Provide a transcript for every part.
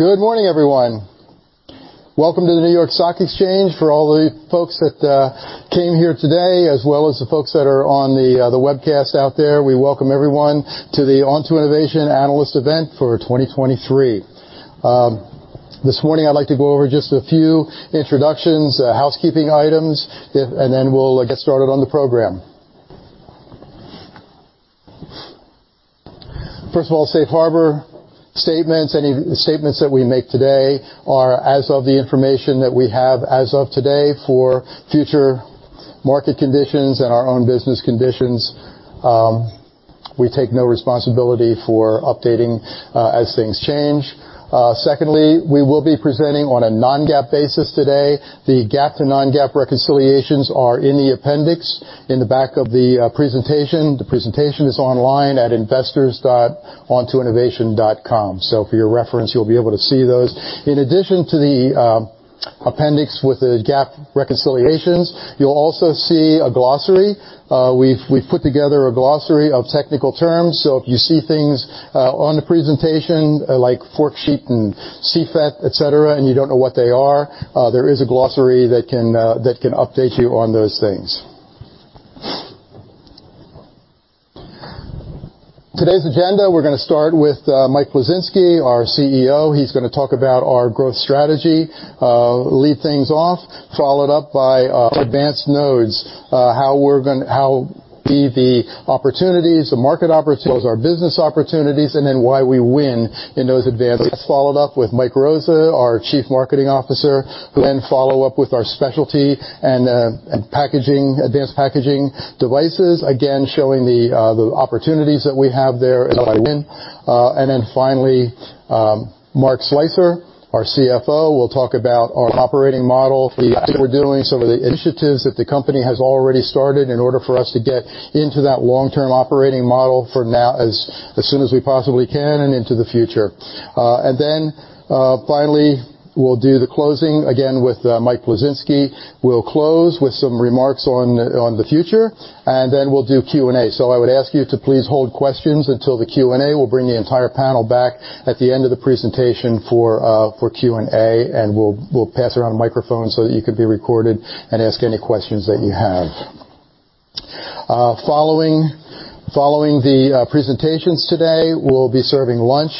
Good morning, everyone. Welcome to the New York Stock Exchange. For all the folks that came here today, as well as the folks that are on the webcast out there, we welcome everyone to the Onto Innovation Analyst Event for 2023. This morning I'd like to go over just a few introductions, housekeeping items, and then we'll get started on the program. First of all, safe harbor statements. Any statements that we make today are as of the information that we have as of today. For future market conditions and our own business conditions, we take no responsibility for updating as things change. Secondly, we will be presenting on a non-GAAP basis today. The GAAP to non-GAAP reconciliations are in the appendix in the back of the presentation. The presentation is online at investors.ontoinnovation.com. For your reference, you'll be able to see those. In addition to the appendix with the GAAP reconciliations, you'll also see a glossary. We've put together a glossary of technical terms, if you see things on the presentation, like Forksheet and CFET, et cetera, and you don't know what they are, there is a glossary that can update you on those things. Today's agenda, we're gonna start with Mike Plisinski, our CEO. He's gonna talk about our growth strategy, lead things off, followed up by advanced nodes, how be the opportunities, the market opportunities, our business opportunities, why we win in those advances. Followed up with Mike Rosa, our Chief Marketing Officer, who then follow up with our specialty and packaging, advanced packaging devices. Again, showing the opportunities that we have there, and why we win. Finally, Mark Slicer, our CFO, will talk about our operating model, the we're doing, some of the initiatives that the company has already started in order for us to get into that long-term operating model for now, as soon as we possibly can and into the future. Finally, we'll do the closing again with Mike Plisinski. We'll close with some remarks on the future, and then we'll do Q&A. I would ask you to please hold questions until the Q&A. We'll bring the entire panel back at the end of the presentation for Q&A, and we'll pass around a microphone so that you can be recorded and ask any questions that you have. Following the presentations today, we'll be serving lunch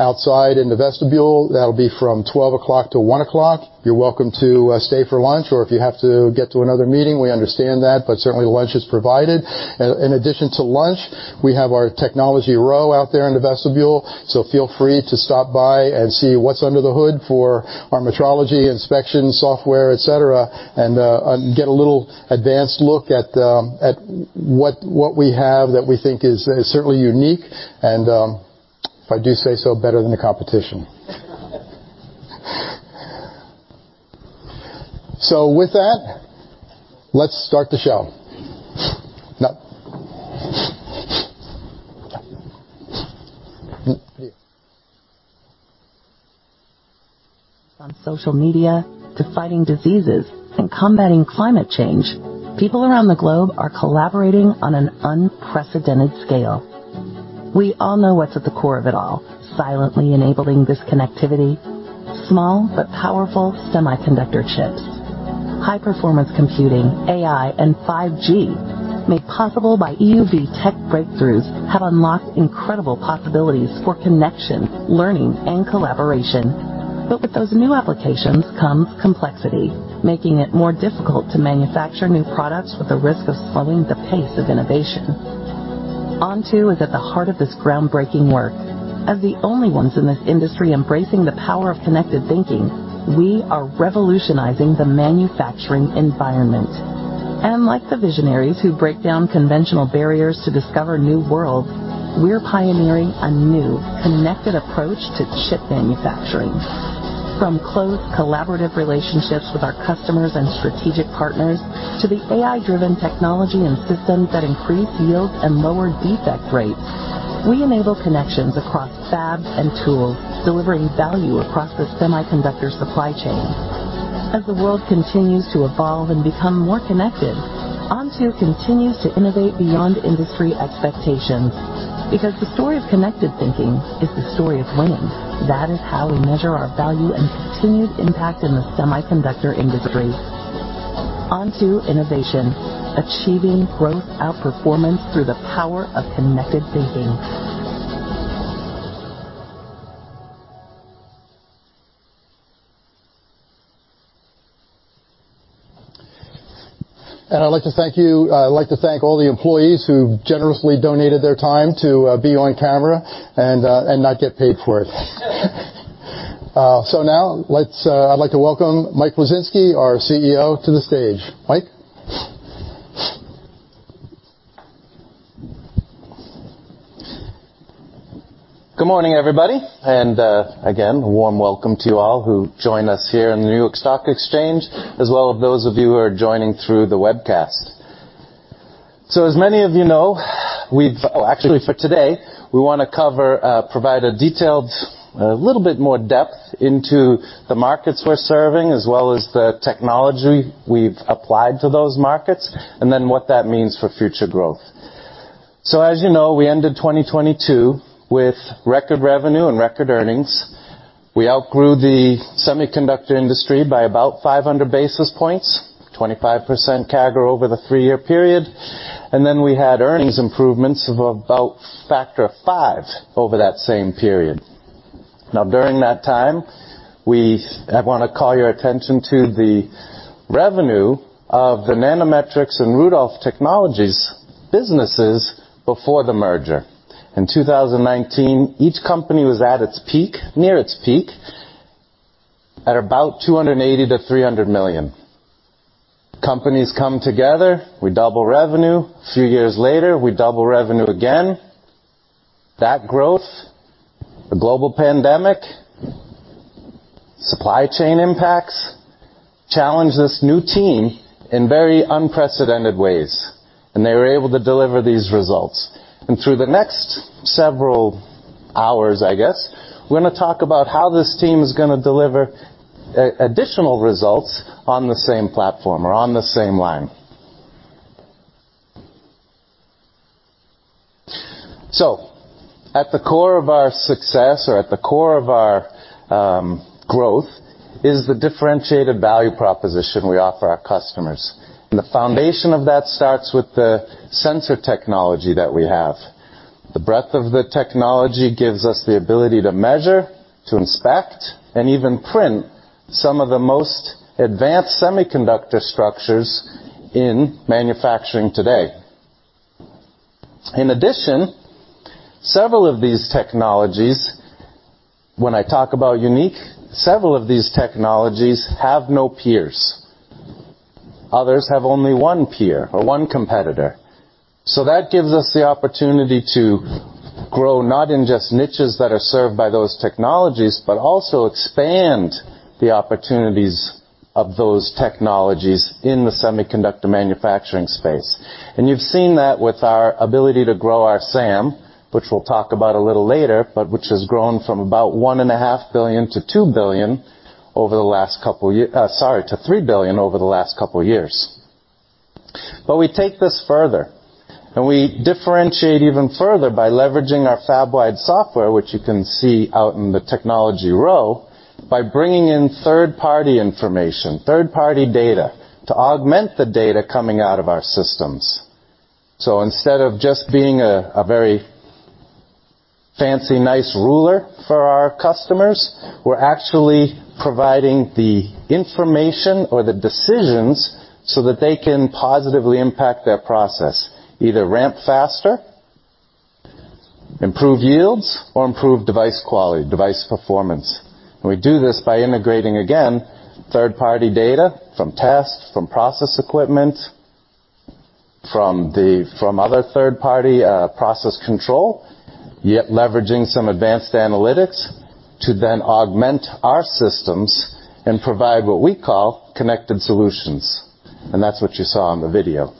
outside in the vestibule. That'll be from 12:00 P.M. to 1:00 P.M. You're welcome to stay for lunch, or if you have to get to another meeting, we understand that, but certainly lunch is provided. In addition to lunch, we have our technology row out there in the vestibule, so feel free to stop by and see what's under the hood for our metrology, inspection, software, et cetera, and get a little advanced look at what we have that we think is certainly unique and if I do say so, better than the competition. With that, let's start the show. On social media, to fighting diseases and combating climate change, people around the globe are collaborating on an unprecedented scale. We all know what's at the core of it all, silently enabling this connectivity, small but powerful semiconductor chips. High-performance computing, AI, and 5G, made possible by EUV tech breakthroughs, have unlocked incredible possibilities for connection, learning, and collaboration. With those new applications comes complexity, making it more difficult to manufacture new products with the risk of slowing the pace of innovation. Onto is at the heart of this groundbreaking work. As the only ones in this industry embracing the power of connected thinking, we are revolutionizing the manufacturing environment. Like the visionaries who break down conventional barriers to discover new worlds, we're pioneering a new, connected approach to chip manufacturing. From close collaborative relationships with our customers and strategic partners, to the AI-driven technology and systems that increase yields and lower defect rates, we enable connections across fabs and tools, delivering value across the semiconductor supply chain. As the world continues to evolve and become more connected, Onto continues to innovate beyond industry expectations. The story of connected thinking is the story of winning. That is how we measure our value and continued impact in the semiconductor industry. Onto Innovation, achieving growth outperformance through the power of connected thinking. I'd like to thank you... I'd like to thank all the employees who generously donated their time to be on camera and not get paid for it. now I'd like to welcome Mike Plisinski, our CEO, to the stage. Mike? Good morning, everybody, and, again, a warm welcome to you all who joined us here in the New York Stock Exchange, as well as those of you who are joining through the webcast. As many of you know, actually, for today, we want to cover, provide a detailed, a little bit more depth into the markets we're serving, as well as the technology we've applied to those markets, and then what that means for future growth. As you know, we ended 2022 with record revenue and record earnings. We outgrew the semiconductor industry by about 500 basis points, 25% CAGR over the three-year period, and then we had earnings improvements of about factor of five over that same period. During that time, I want to call your attention to the revenue of the Nanometrics and Rudolph Technologies businesses before the merger. In 2019, each company was at its peak, near its peak, at about $280 million-$300 million. Companies come together, we double revenue. A few years later, we double revenue again. That growth, the global pandemic, supply chain impacts, challenged this new team in very unprecedented ways, and they were able to deliver these results. Through the next several hours, I guess, we're going to talk about how this team is going to deliver additional results on the same platform or on the same line. At the core of our success or at the core of our growth, is the differentiated value proposition we offer our customers, and the foundation of that starts with the sensor technology that we have. The breadth of the technology gives us the ability to measure, to inspect, and even print some of the most advanced semiconductor structures in manufacturing today. In addition, several of these technologies, when I talk about unique, several of these technologies have no peers. Others have only one peer or one competitor. That gives us the opportunity to grow, not in just niches that are served by those technologies, but also expand the opportunities of those technologies in the semiconductor manufacturing space. You've seen that with our ability to grow our SAM, which we'll talk about a little later, but which has grown from about $1.5 billion to $2 billion over the last couple years, sorry, to $3 billion over the last couple of years. We take this further, and we differentiate even further by leveraging our Fab-Wide software, which you can see out in the technology row, by bringing in third-party information, third-party data, to augment the data coming out of our systems. Instead of just being a very fancy, nice ruler for our customers, we're actually providing the information or the decisions so that they can positively impact their process, either ramp faster, improve yields, or improve device quality, device performance. We do this by integrating, again, third-party data from tests, from process equipment, from other third-party process control, yet leveraging some advanced analytics to then augment our systems and provide what we call connected solutions. That's what you saw in the video.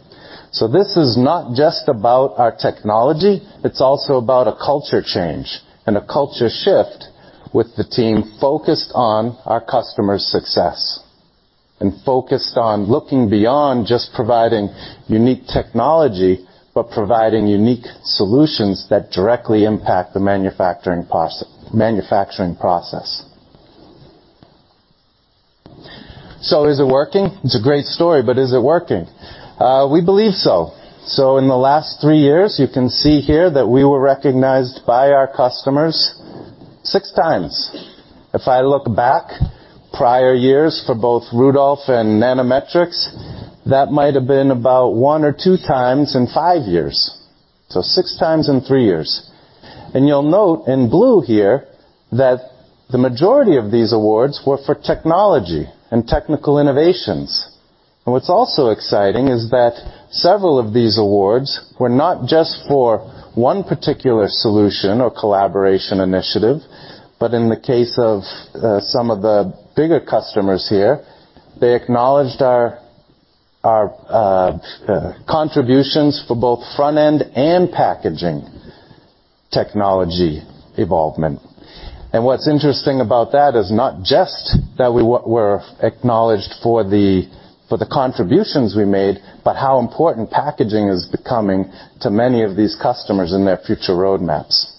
This is not just about our technology, it's also about a culture change and a culture shift with the team focused on our customers' success, and focused on looking beyond just providing unique technology, but providing unique solutions that directly impact the manufacturing process. Is it working? It's a great story, but is it working? We believe so. In the last three years, you can see here that we were recognized by our customers 6x. If I look back prior years for both Rudolph and Nanometrics, that might have been about one or 2x in five years, so 6x in three years. You'll note in blue here, that the majority of these awards were for technology and technical innovations. What's also exciting is that several of these awards were not just for one particular solution or collaboration initiative, but in the case of some of the bigger customers here, they acknowledged our contributions for both front-end and packaging technology evolvement. What's interesting about that is not just that we were acknowledged for the, for the contributions we made, but how important packaging is becoming to many of these customers in their future roadmaps.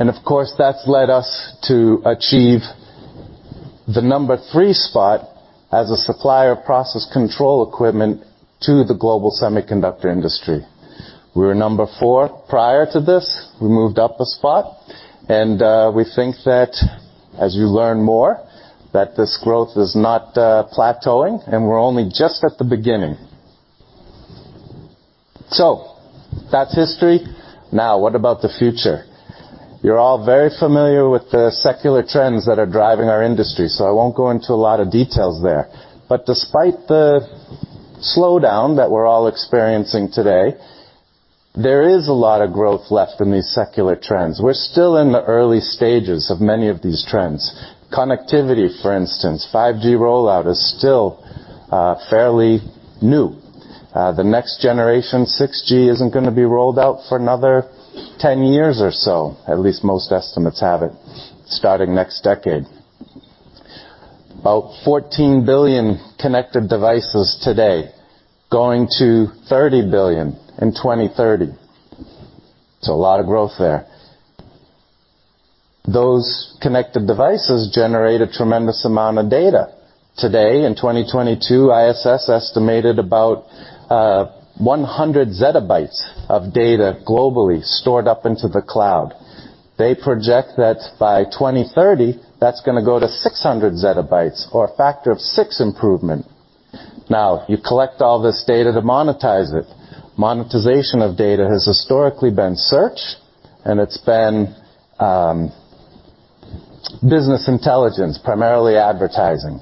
Of course, that's led us to achieve the number three spot as a supplier of process control equipment to the global semiconductor industry. We were number four prior to this. We moved up a spot, we think that as you learn more, that this growth is not plateauing, and we're only just at the beginning. That's history. Now, what about the future? You're all very familiar with the secular trends that are driving our industry, I won't go into a lot of details there. Despite the slowdown that we're all experiencing today, there is a lot of growth left in these secular trends. We're still in the early stages of many of these trends. Connectivity, for instance, 5G rollout is still fairly new. The next generation, 6G, isn't going to be rolled out for another 10 years or so. At least most estimates have it starting next decade. About 14 billion connected devices today, going to 30 billion in 2030. A lot of growth there. Those connected devices generate a tremendous amount of data. Today, in 2022, ISS estimated about 100 ZB of data globally stored up into the cloud. They project that by 2030, that's gonna go to 600 ZB or a factor of six improvement. You collect all this data to monetize it. Monetization of data has historically been search, and it's been business intelligence, primarily advertising.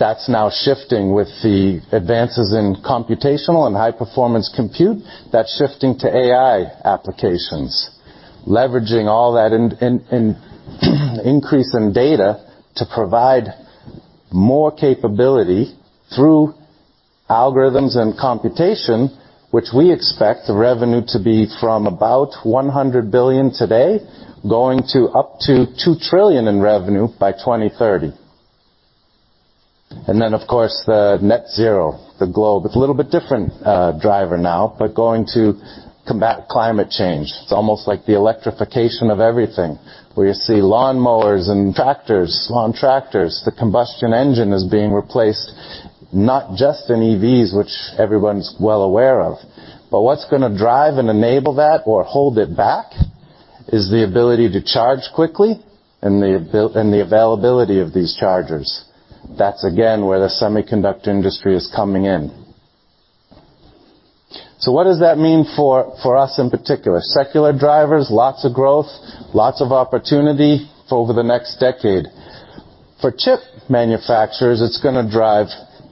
That's now shifting with the advances in computational and high-performance compute, that's shifting to AI applications, leveraging all that increase in data to provide more capability through algorithms and computation, which we expect the revenue to be from about $100 billion today, going up to $2 trillion in revenue by 2030. Of course, the net zero, the globe. It's a little bit different driver now, but going to combat climate change. It's almost like the electrification of everything, where you see lawnmowers and tractors, lawn tractors, the combustion engine is being replaced, not just in EVs, which everyone's well aware of, but what's gonna drive and enable that or hold it back is the ability to charge quickly and the availability of these chargers. That's again, where the semiconductor industry is coming in. What does that mean for us, in particular? Secular drivers, lots of growth, lots of opportunity for over the next decade. For chip manufacturers, it's gonna drive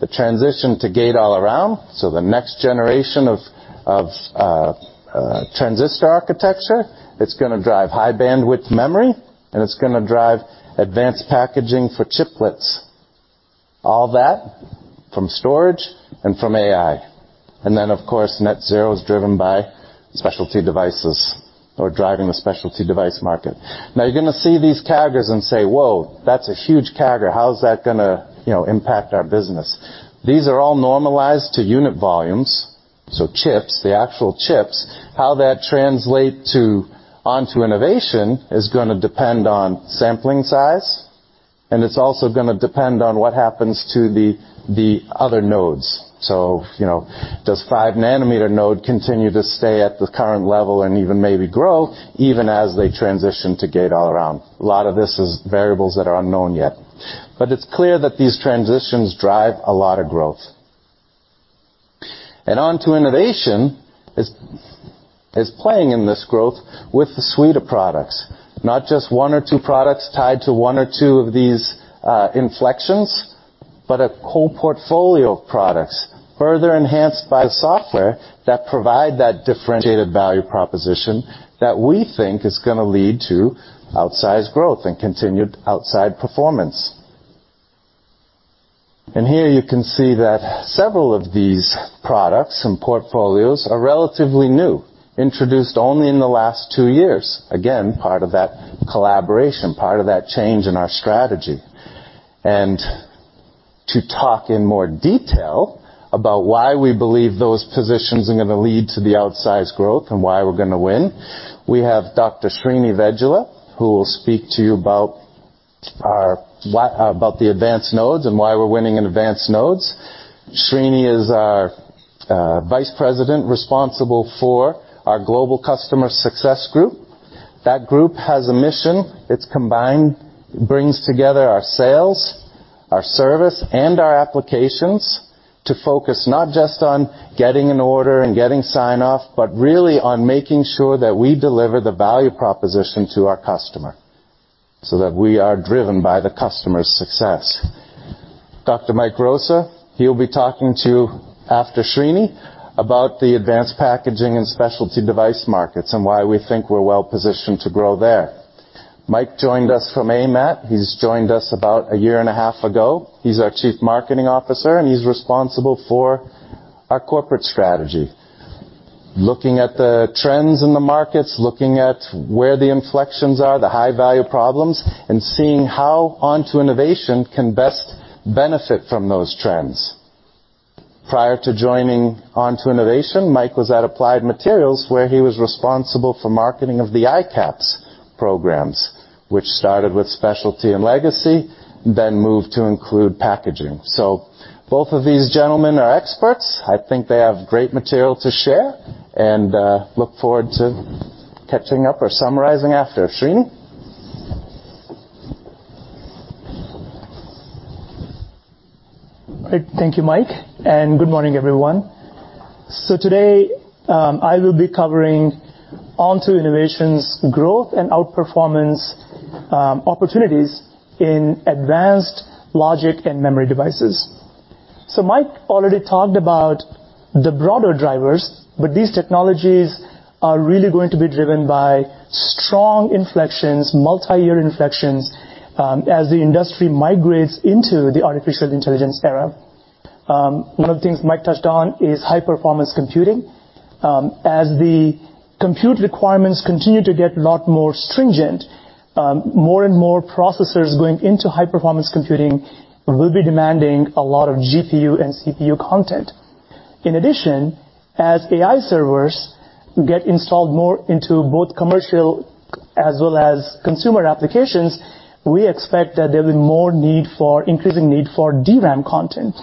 the transition to Gate-All-Around, so the next generation of transistor architecture, it's gonna drive high bandwidth memory, and it's gonna drive advanced packaging for chiplets. All that from storage and from AI. Of course, net zero is driven by specialty devices or driving the specialty device market. You're gonna see these CAGRs and say, "Whoa! That's a huge CAGR. How is that gonna, you know, impact our business?" These are all normalized to unit volumes, so chips, the actual chips. How that translate to Onto Innovation, is gonna depend on sampling size, and it's also gonna depend on what happens to the other nodes. you know, does 5 nm node continue to stay at the current level and even maybe grow, even as they transition to Gate-All-Around? A lot of this is variables that are unknown yet. It's clear that these transitions drive a lot of growth. Onto Innovation is playing in this growth with a suite of products, not just one or two products tied to one or two of these inflections, but a whole portfolio of products, further enhanced by the software that provide that differentiated value proposition that we think is gonna lead to outsized growth and continued outside performance. Here you can see that several of these products and portfolios are relatively new, introduced only in the last two years. Again, part of that collaboration, part of that change in our strategy. To talk in more detail about why we believe those positions are going to lead to the outsized growth and why we're going to win, we have Dr. Srini Vedula, who will speak to you about the advanced nodes and why we're winning in advanced nodes. Srini is our Vice President, responsible for our Global Customer Success Group. That group has a mission. It's combined, brings together our sales, our service, and our applications to focus not just on getting an order and getting sign-off, but really on making sure that we deliver the value proposition to our customer, so that we are driven by the customer's success. Dr. Mike Rosa, he'll be talking to you after Srini, about the advanced packaging and specialty device markets and why we think we're well-positioned to grow there. Mike joined us from AMAT. He's joined us about a year and a half ago. He's our Chief Marketing Officer, and he's responsible for our corporate strategy. Looking at the trends in the markets, looking at where the inflections are, the high-value problems, and seeing how Onto Innovation can best benefit from those trends. Prior to joining Onto Innovation, Mike was at Applied Materials, where he was responsible for marketing of the ICAPS programs, which started with specialty and legacy, then moved to include packaging. Both of these gentlemen are experts. I think they have great material to share, and look forward to catching up or summarizing after. Srini? Thank you, Mike, and good morning, everyone. Today, I will be covering Onto Innovation's growth and outperformance, opportunities in advanced logic and memory devices. Mike already talked about the broader drivers, but these technologies are really going to be driven by strong inflections, multi-year inflections, as the industry migrates into the artificial intelligence era. One of the things Mike touched on is high-performance computing. As the compute requirements continue to get a lot more stringent, more and more processors going into high-performance computing will be demanding a lot of GPU and CPU content. As AI servers get installed more into both commercial as well as consumer applications, we expect that there will be increasing need for DRAM content.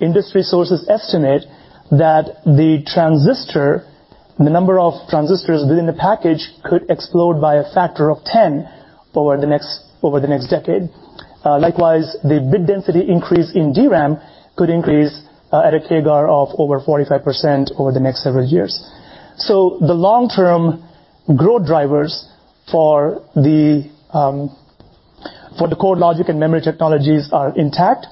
Industry sources estimate that the number of transistors within the package could explode by a factor of 10 over the next decade. Likewise, the bit density increase in DRAM could increase at a CAGR of over 45% over the next several years. The long-term growth drivers for the core logic and memory technologies are intact.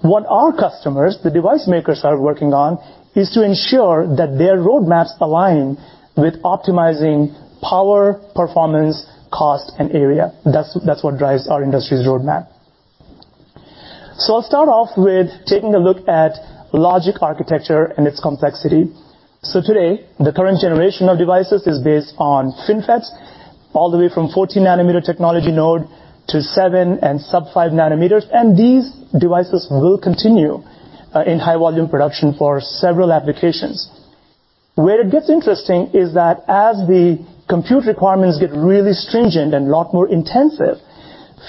What our customers, the device makers, are working on is to ensure that their roadmaps align with optimizing power, performance, cost, and area. That's what drives our industry's roadmap. I'll start off with taking a look at logic, architecture, and its complexity. Today, the current generation of devices is based on FinFETs, all the way from 14 nm technology node to 7 nm and sub 5 nm, and these devices will continue in high volume production for several applications. Where it gets interesting is that as the compute requirements get really stringent and a lot more intensive,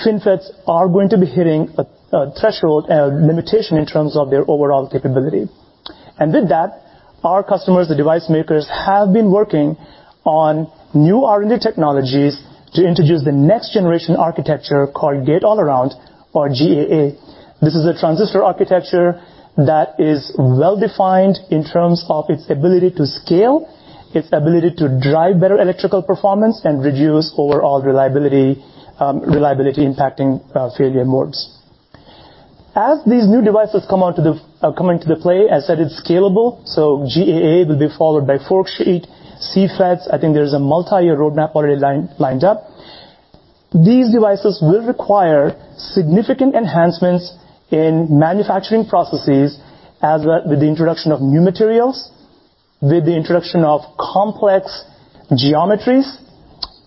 FinFETs are going to be hitting a threshold limitation in terms of their overall capability. With that, our customers, the device makers, have been working on new R&D technologies to introduce the next generation architecture called Gate-All-Around, or GAA. This is a transistor architecture that is well defined in terms of its ability to scale, its ability to drive better electrical performance, and reduce overall reliability impacting failure modes. As these new devices come into the play, as said, it's scalable, so GAA will be followed by forksheet, CFETs. I think there's a multiyear roadmap already lined up. These devices will require significant enhancements in manufacturing processes with the introduction of new materials, with the introduction of complex geometries,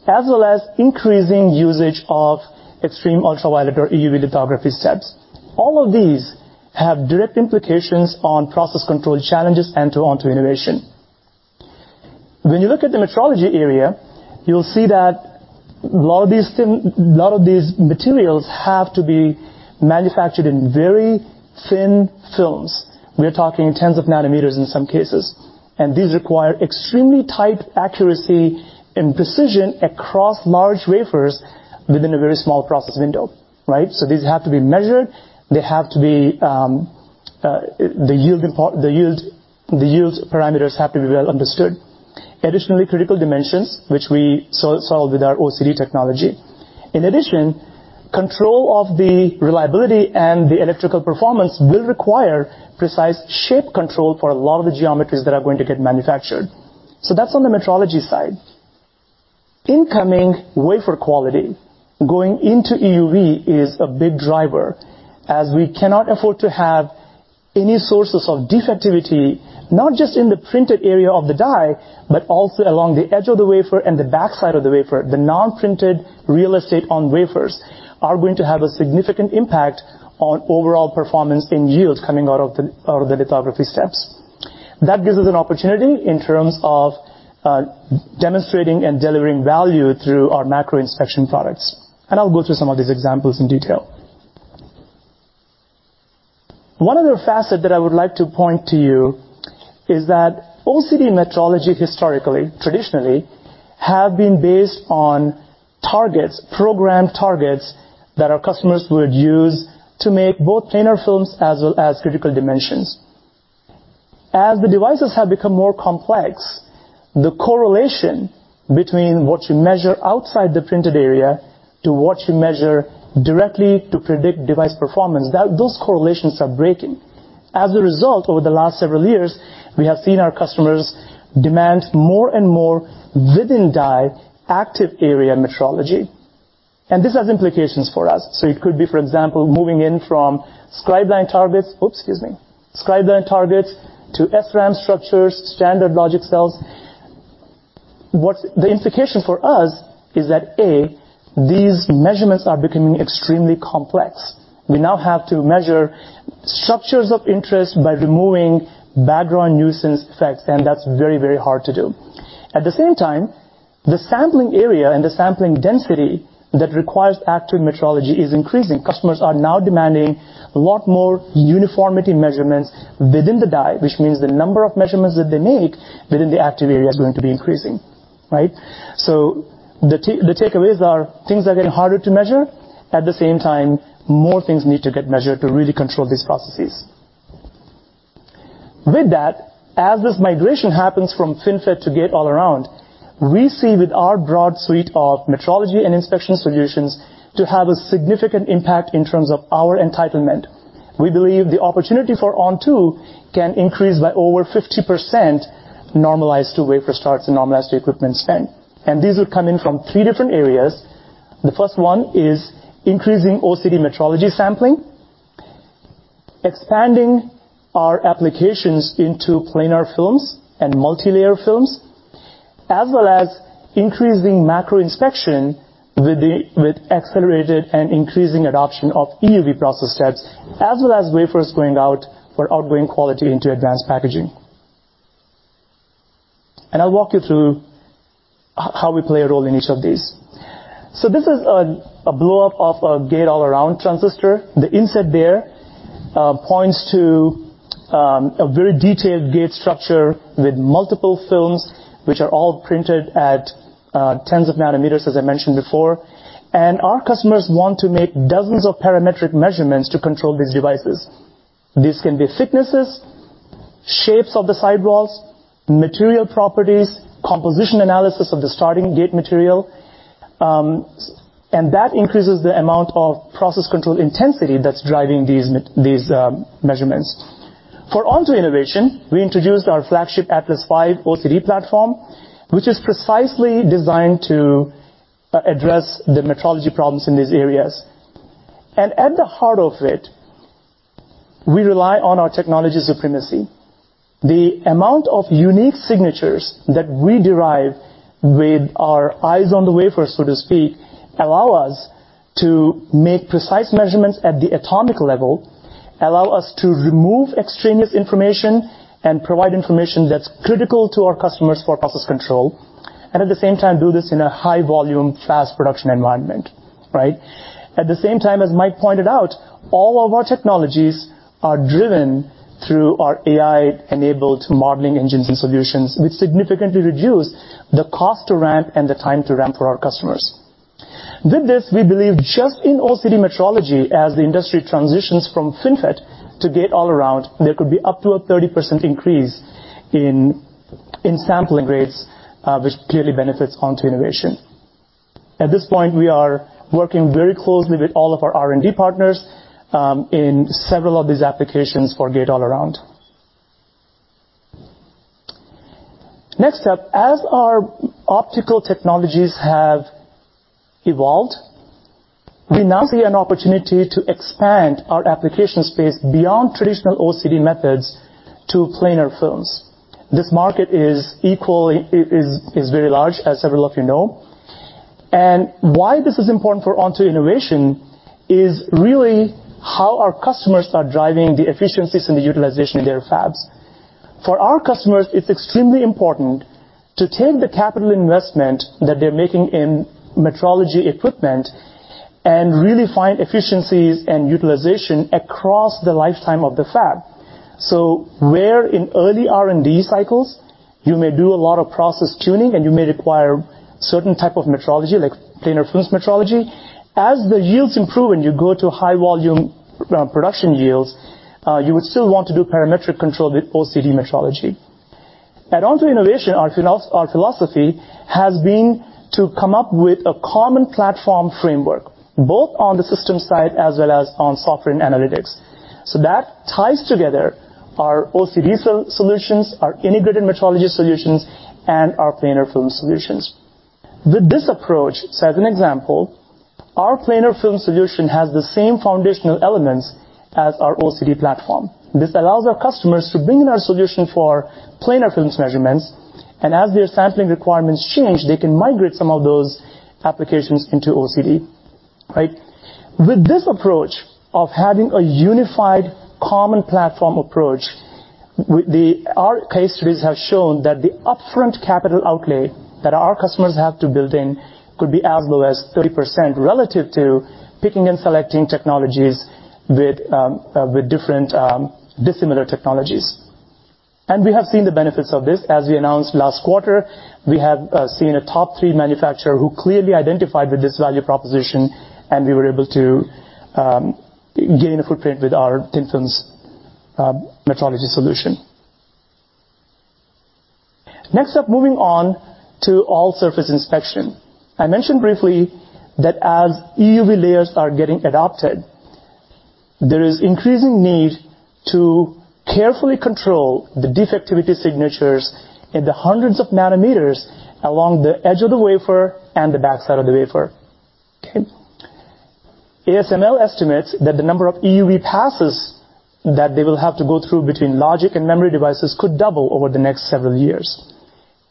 as well as increasing usage of extreme ultraviolet or EUV lithography steps. All of these have direct implications on process control challenges and to Onto Innovation. When you look at the metrology area, you'll see that a lot of these materials have to be manufactured in very thin films. We are talking 10s of nanometers in some cases. These require extremely tight accuracy and precision across large wafers within a very small process window, right? These have to be measured, they have to be the yield parameters have to be well understood. Additionally, critical dimensions, which we so-solve with our OCD technology. In addition, control of the reliability and the electrical performance will require precise shape control for a lot of the geometries that are going to get manufactured. That's on the metrology side. Incoming wafer quality going into EUV is a big driver, as we cannot afford to have any sources of defectivity, not just in the printed area of the die, but also along the edge of the wafer and the backside of the wafer. The non-printed real estate on wafers are going to have a significant impact on overall performance and yield coming out of the lithography steps. That gives us an opportunity in terms of demonstrating and delivering value through our macro inspection products. I'll go through some of these examples in detail. One other facet that I would like to point to you is that OCD metrology, historically, traditionally, have been based on targets, program targets, that our customers would use to make both thinner films as well as critical dimensions. As the devices have become more complex, the correlation between what you measure outside the printed area to what you measure directly to predict device performance, those correlations are breaking. As a result, over the last several years, we have seen our customers demand more and more within-die active area metrology, and this has implications for us. It could be, for example, moving in from scribe line targets... Oops, excuse me. Scribe line targets to SRAM structures, standard logic cells. What's the implication for us is that, A, these measurements are becoming extremely complex. We now have to measure structures of interest by removing background nuisance effects, that's very, very hard to do. At the same time, the sampling area and the sampling density that requires active metrology is increasing. Customers are now demanding a lot more uniformity measurements within the die, which means the number of measurements that they make within the active area is going to be increasing, right? The takeaways are things are getting harder to measure. At the same time, more things need to get measured to really control these processes. With that, as this migration happens from FinFET to Gate-All-Around, we see with our broad suite of metrology and inspection solutions to have a significant impact in terms of our entitlement. We believe the opportunity for ON2 can increase by over 50%, normalized to wafer starts and normalized to equipment spend. These will come in from three different areas. The first one is increasing OCD metrology sampling, expanding our applications into planar films and multilayer films, as well as increasing macro inspection with accelerated and increasing adoption of EUV process steps, as well as wafers going out for outgoing quality into advanced packaging. I'll walk you through how we play a role in each of these. This is a blow-up of a Gate-All-Around transistor. The inset there points to a very detailed gate structure with multiple films, which are all printed at 10s of nanometers, as I mentioned before. Our customers want to make dozens of parametric measurements to control these devices. These can be thicknesses, shapes of the sidewalls, material properties, composition analysis of the starting gate material, and that increases the amount of process control intensity that's driving these measurements. For Onto Innovation, we introduced our flagship Atlas V OCD platform, which is precisely designed to address the metrology problems in these areas. At the heart of it, we rely on our technology supremacy. The amount of unique signatures that we derive with our eyes on the wafer, so to speak, allow us to make precise measurements at the atomic level, allow us to remove extraneous information, and provide information that's critical to our customers for process control, and at the same time, do this in a high-volume, fast production environment, right? At the same time, as Mike pointed out, all of our technologies are driven through our AI-enabled modeling engines and solutions, which significantly reduce the cost to ramp and the time to ramp for our customers. We believe just in OCD metrology, as the industry transitions from FinFET to Gate-All-Around, there could be up to a 30% increase in sampling rates, which clearly benefits Onto Innovation. We are working very closely with all of our R&D partners in several of these applications for Gate-All-Around. As our optical technologies have evolved, we now see an opportunity to expand our application space beyond traditional OCD methods to planar films. This market is equally very large, as several of you know. Why this is important for Onto Innovation is really how our customers are driving the efficiencies and the utilization of their fabs. For our customers, it's extremely important to take the capital investment that they're making in metrology equipment and really find efficiencies and utilization across the lifetime of the fab. Where in early R&D cycles you may do a lot of process tuning, and you may require certain type of metrology, like planar films metrology, as the yields improve and you go to high volume production yields, you would still want to do parametric control with OCD metrology. At Onto Innovation, our philosophy has been to come up with a common platform framework, both on the system side as well as on software and analytics. That ties together our OCD solutions, our integrated metrology solutions, and our planar film solutions. With this approach, as an example, our planar film solution has the same foundational elements as our OCD platform. This allows our customers to bring in our solution for planar films measurements, and as their sampling requirements change, they can migrate some of those applications into OCD, right? With this approach of having a unified common platform approach, the Our case studies have shown that the upfront capital outlay that our customers have to build in could be as low as 30% relative to picking and selecting technologies with different, dissimilar technologies. We have seen the benefits of this. As we announced last quarter, we have seen a top three manufacturer who clearly identified with this value proposition, and we were able to gain a footprint with our thin films metrology solution. Next up, moving on to all-surface inspection. I mentioned briefly that as EUV layers are getting adopted, there is increasing need to carefully control the defectivity signatures in the hundreds of nanometers along the edge of the wafer and the backside of the wafer. Okay? ASML estimates that the number of EUV passes that they will have to go through between logic and memory devices could double over the next several years.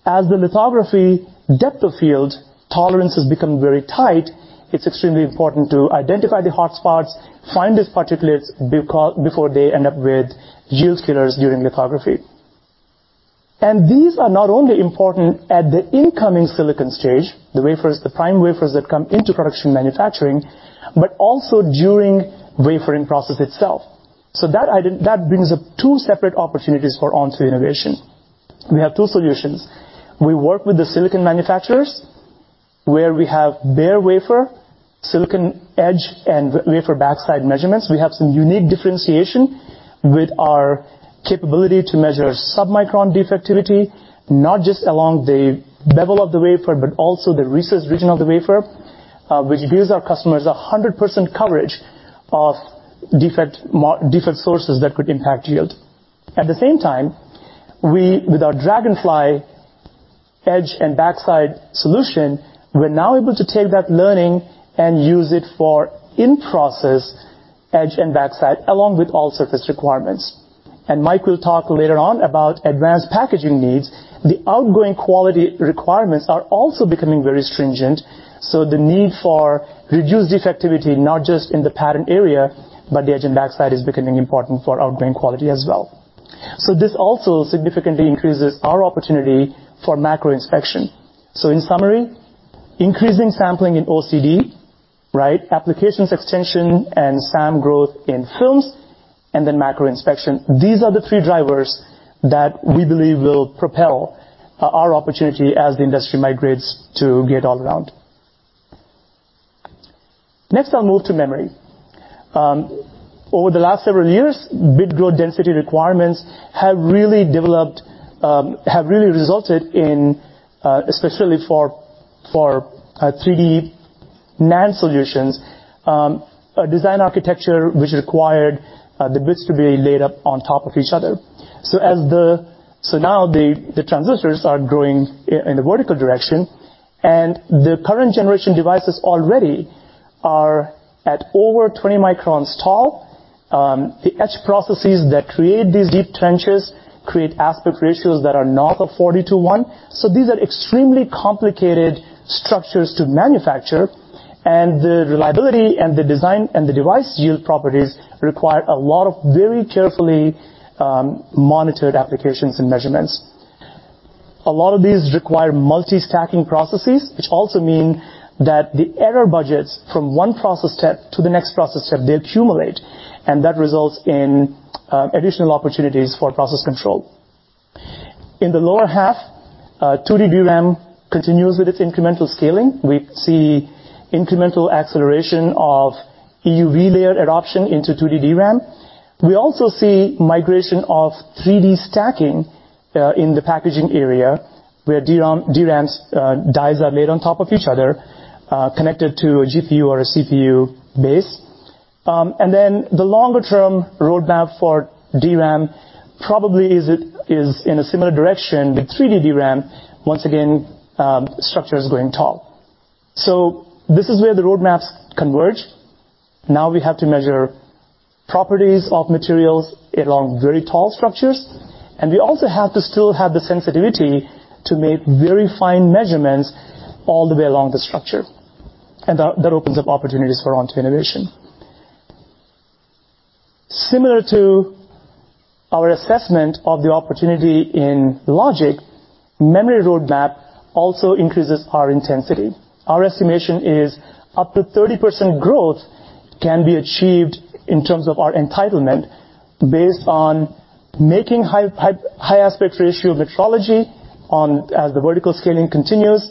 As the lithography depth of field tolerances become very tight, it's extremely important to identify the hot spots, find these particulates before they end up with yield killers during lithography. These are not only important at the incoming silicon stage, the wafers, the prime wafers that come into production manufacturing, but also during wafering process itself. That item, that brings up two separate opportunities for Onto Innovation. We have two solutions. We work with the silicon manufacturers, where we have bare wafer, silicon edge, and wafer backside measurements. We have some unique differentiation with our capability to measure submicron defectivity, not just along the bevel of the wafer, but also the recessed region of the wafer, which gives our customers 100% coverage of defect sources that could impact yield. At the same time. We, with our Dragonfly Edge and backside solution, we're now able to take that learning and use it for in-process edge and backside, along with all surface requirements. Mike will talk later on about advanced packaging needs. The outgoing quality requirements are also becoming very stringent, so the need for reduced defectivity, not just in the pattern area, but the edge and backside, is becoming important for outgoing quality as well. This also significantly increases our opportunity for macro inspection. In summary, increasing sampling in OCD, right. Applications extension and SAM growth in films, and then macro inspection. These are the three drivers that we believe will propel our opportunity as the industry migrates to Gate-All-Around. Next, I'll move to memory. Over the last several years, bit growth density requirements have really developed, have really resulted in, especially for 3D NAND solutions, a design architecture which required the bits to be laid up on top of each other. Now the transistors are growing in the vertical direction. The current generation devices already are at over 20 microns tall. The etch processes that create these deep trenches create aspect ratios that are north of 40 to one. These are extremely complicated structures to manufacture, and the reliability, and the design, and the device yield properties require a lot of very carefully monitored applications and measurements. A lot of these require multi-stacking processes, which also mean that the error budgets from one process step to the next process step, they accumulate, and that results in additional opportunities for process control. In the lower half, 2D DRAM continues with its incremental scaling. We see incremental acceleration of EUV layer adoption into 2D DRAM. We also see migration of 3D stacking in the packaging area, where DRAM, DRAMs, dies are laid on top of each other, connected to a GPU or a CPU base. Then the longer-term roadmap for DRAM probably is it, is in a similar direction with 3D DRAM. Once again, structure is going tall. This is where the roadmaps converge. Now we have to measure properties of materials along very tall structures, and we also have to still have the sensitivity to make very fine measurements all the way along the structure, and that opens up opportunities for Onto Innovation. Similar to our assessment of the opportunity in logic, memory roadmap also increases our intensity. Our estimation is up to 30% growth can be achieved in terms of our entitlement, based on making high aspect ratio metrology as the vertical scaling continues.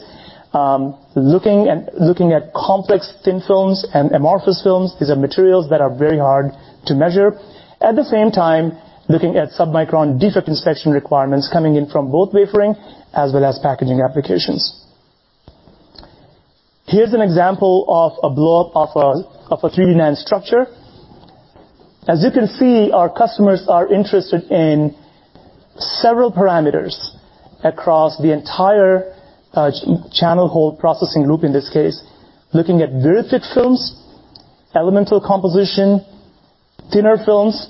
Looking at complex thin films and amorphous films, these are materials that are very hard to measure. At the same time, looking at submicron defect inspection requirements coming in from both wafering as well as packaging applications. Here's an example of a blow-up of a 3D NAND structure. As you can see, our customers are interested in several parameters across the entire channel hole processing group, in this case, looking at very thick films, elemental composition, thinner films,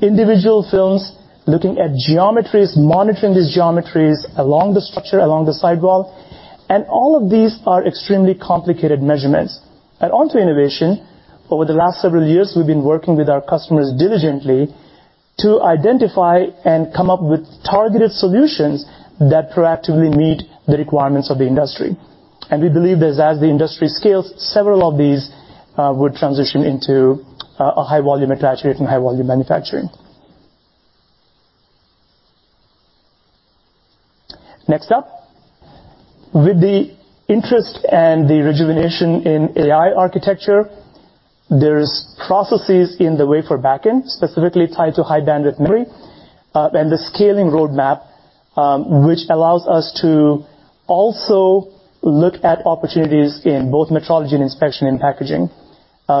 individual films, looking at geometries, monitoring these geometries along the structure, along the sidewall. All of these are extremely complicated measurements. At Onto Innovation, over the last several years, we've been working with our customers diligently to identify and come up with targeted solutions that proactively meet the requirements of the industry. We believe that as the industry scales, several of these would transition into a high volume at graduate and high volume manufacturing. Next up, with the interest and the rejuvenation in AI architecture, there's processes in the wafer backend, specifically tied to high-bandwidth memory, and the scaling roadmap, which allows us to also look at opportunities in both metrology and inspection and packaging.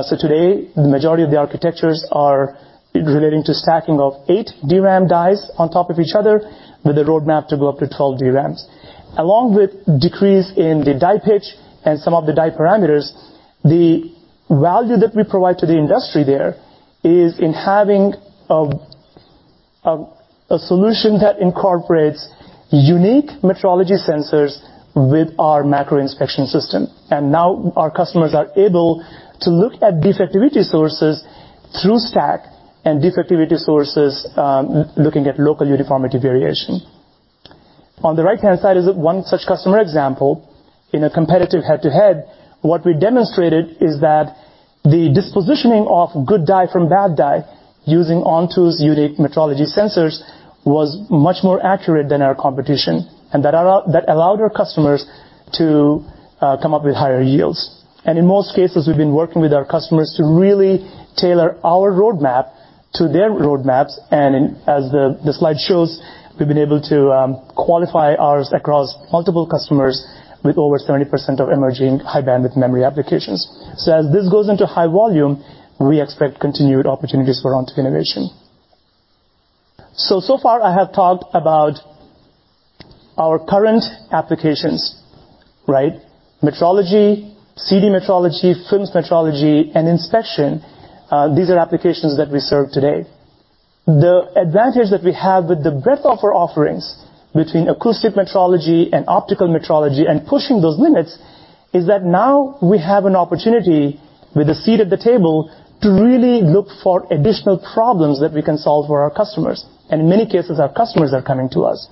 Today, the majority of the architectures are relating to stacking of 8 DRAM dies on top of each other, with a roadmap to go up to 12 DRAMs. Along with decrease in the die pitch and some of the die parameters, the value that we provide to the industry there is in having a solution that incorporates unique metrology sensors with our macro inspection system. Now our customers are able to look at defectivity sources through stack and defectivity sources, looking at local uniformity variation. On the right-hand side is one such customer example. In a competitive head-to-head, what we demonstrated is that the dispositioning of good die from bad die, using Onto's unique metrology sensors, was much more accurate than our competition, and that allowed our customers to come up with higher yields. In most cases, we've been working with our customers to really tailor our roadmap to their roadmaps. As the slide shows, we've been able to qualify ours across multiple customers with over 30% of emerging high bandwidth memory applications. As this goes into high volume, we expect continued opportunities for Onto Innovation. So far I have talked about our current applications, right? Metrology, CD metrology, films metrology, and inspection, these are applications that we serve today. The advantage that we have with the breadth of our offerings between acoustic metrology and optical metrology, and pushing those limits, is that now we have an opportunity, with a seat at the table, to really look for additional problems that we can solve for our customers, and in many cases, our customers are coming to us.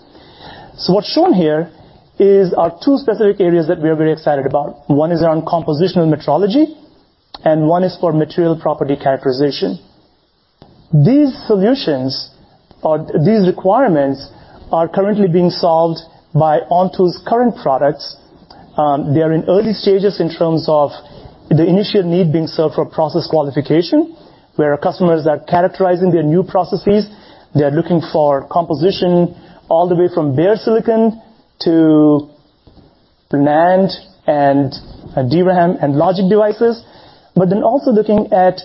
What's shown here is our two specific areas that we are very excited about. One is around compositional metrology, and one is for material property characterization. These solutions or these requirements are currently being solved by Onto's current products. They are in early stages in terms of the initial need being served for process qualification, where our customers are characterizing their new processes. They're looking for composition all the way from bare silicon to NAND and DRAM and logic devices, but then also looking at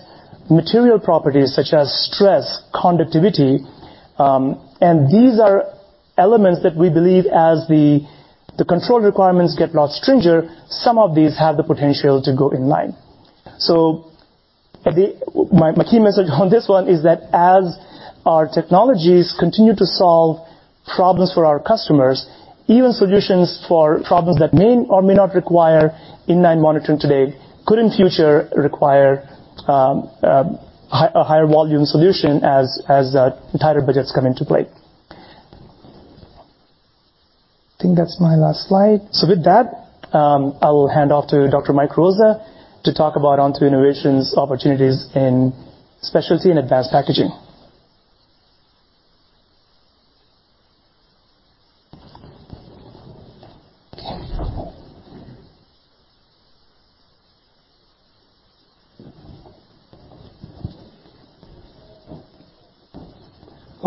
material properties such as stress, conductivity. These are elements that we believe as the control requirements get a lot stricter, some of these have the potential to go in line. My key message on this one is that as our technologies continue to solve problems for our customers, even solutions for problems that may or may not require in-line monitoring today, could in future require a higher volume solution as tighter budgets come into play. I think that's my last slide. With that, I will hand off to Dr. Mike Rosa to talk about Onto Innovation's opportunities in specialty and advanced packaging.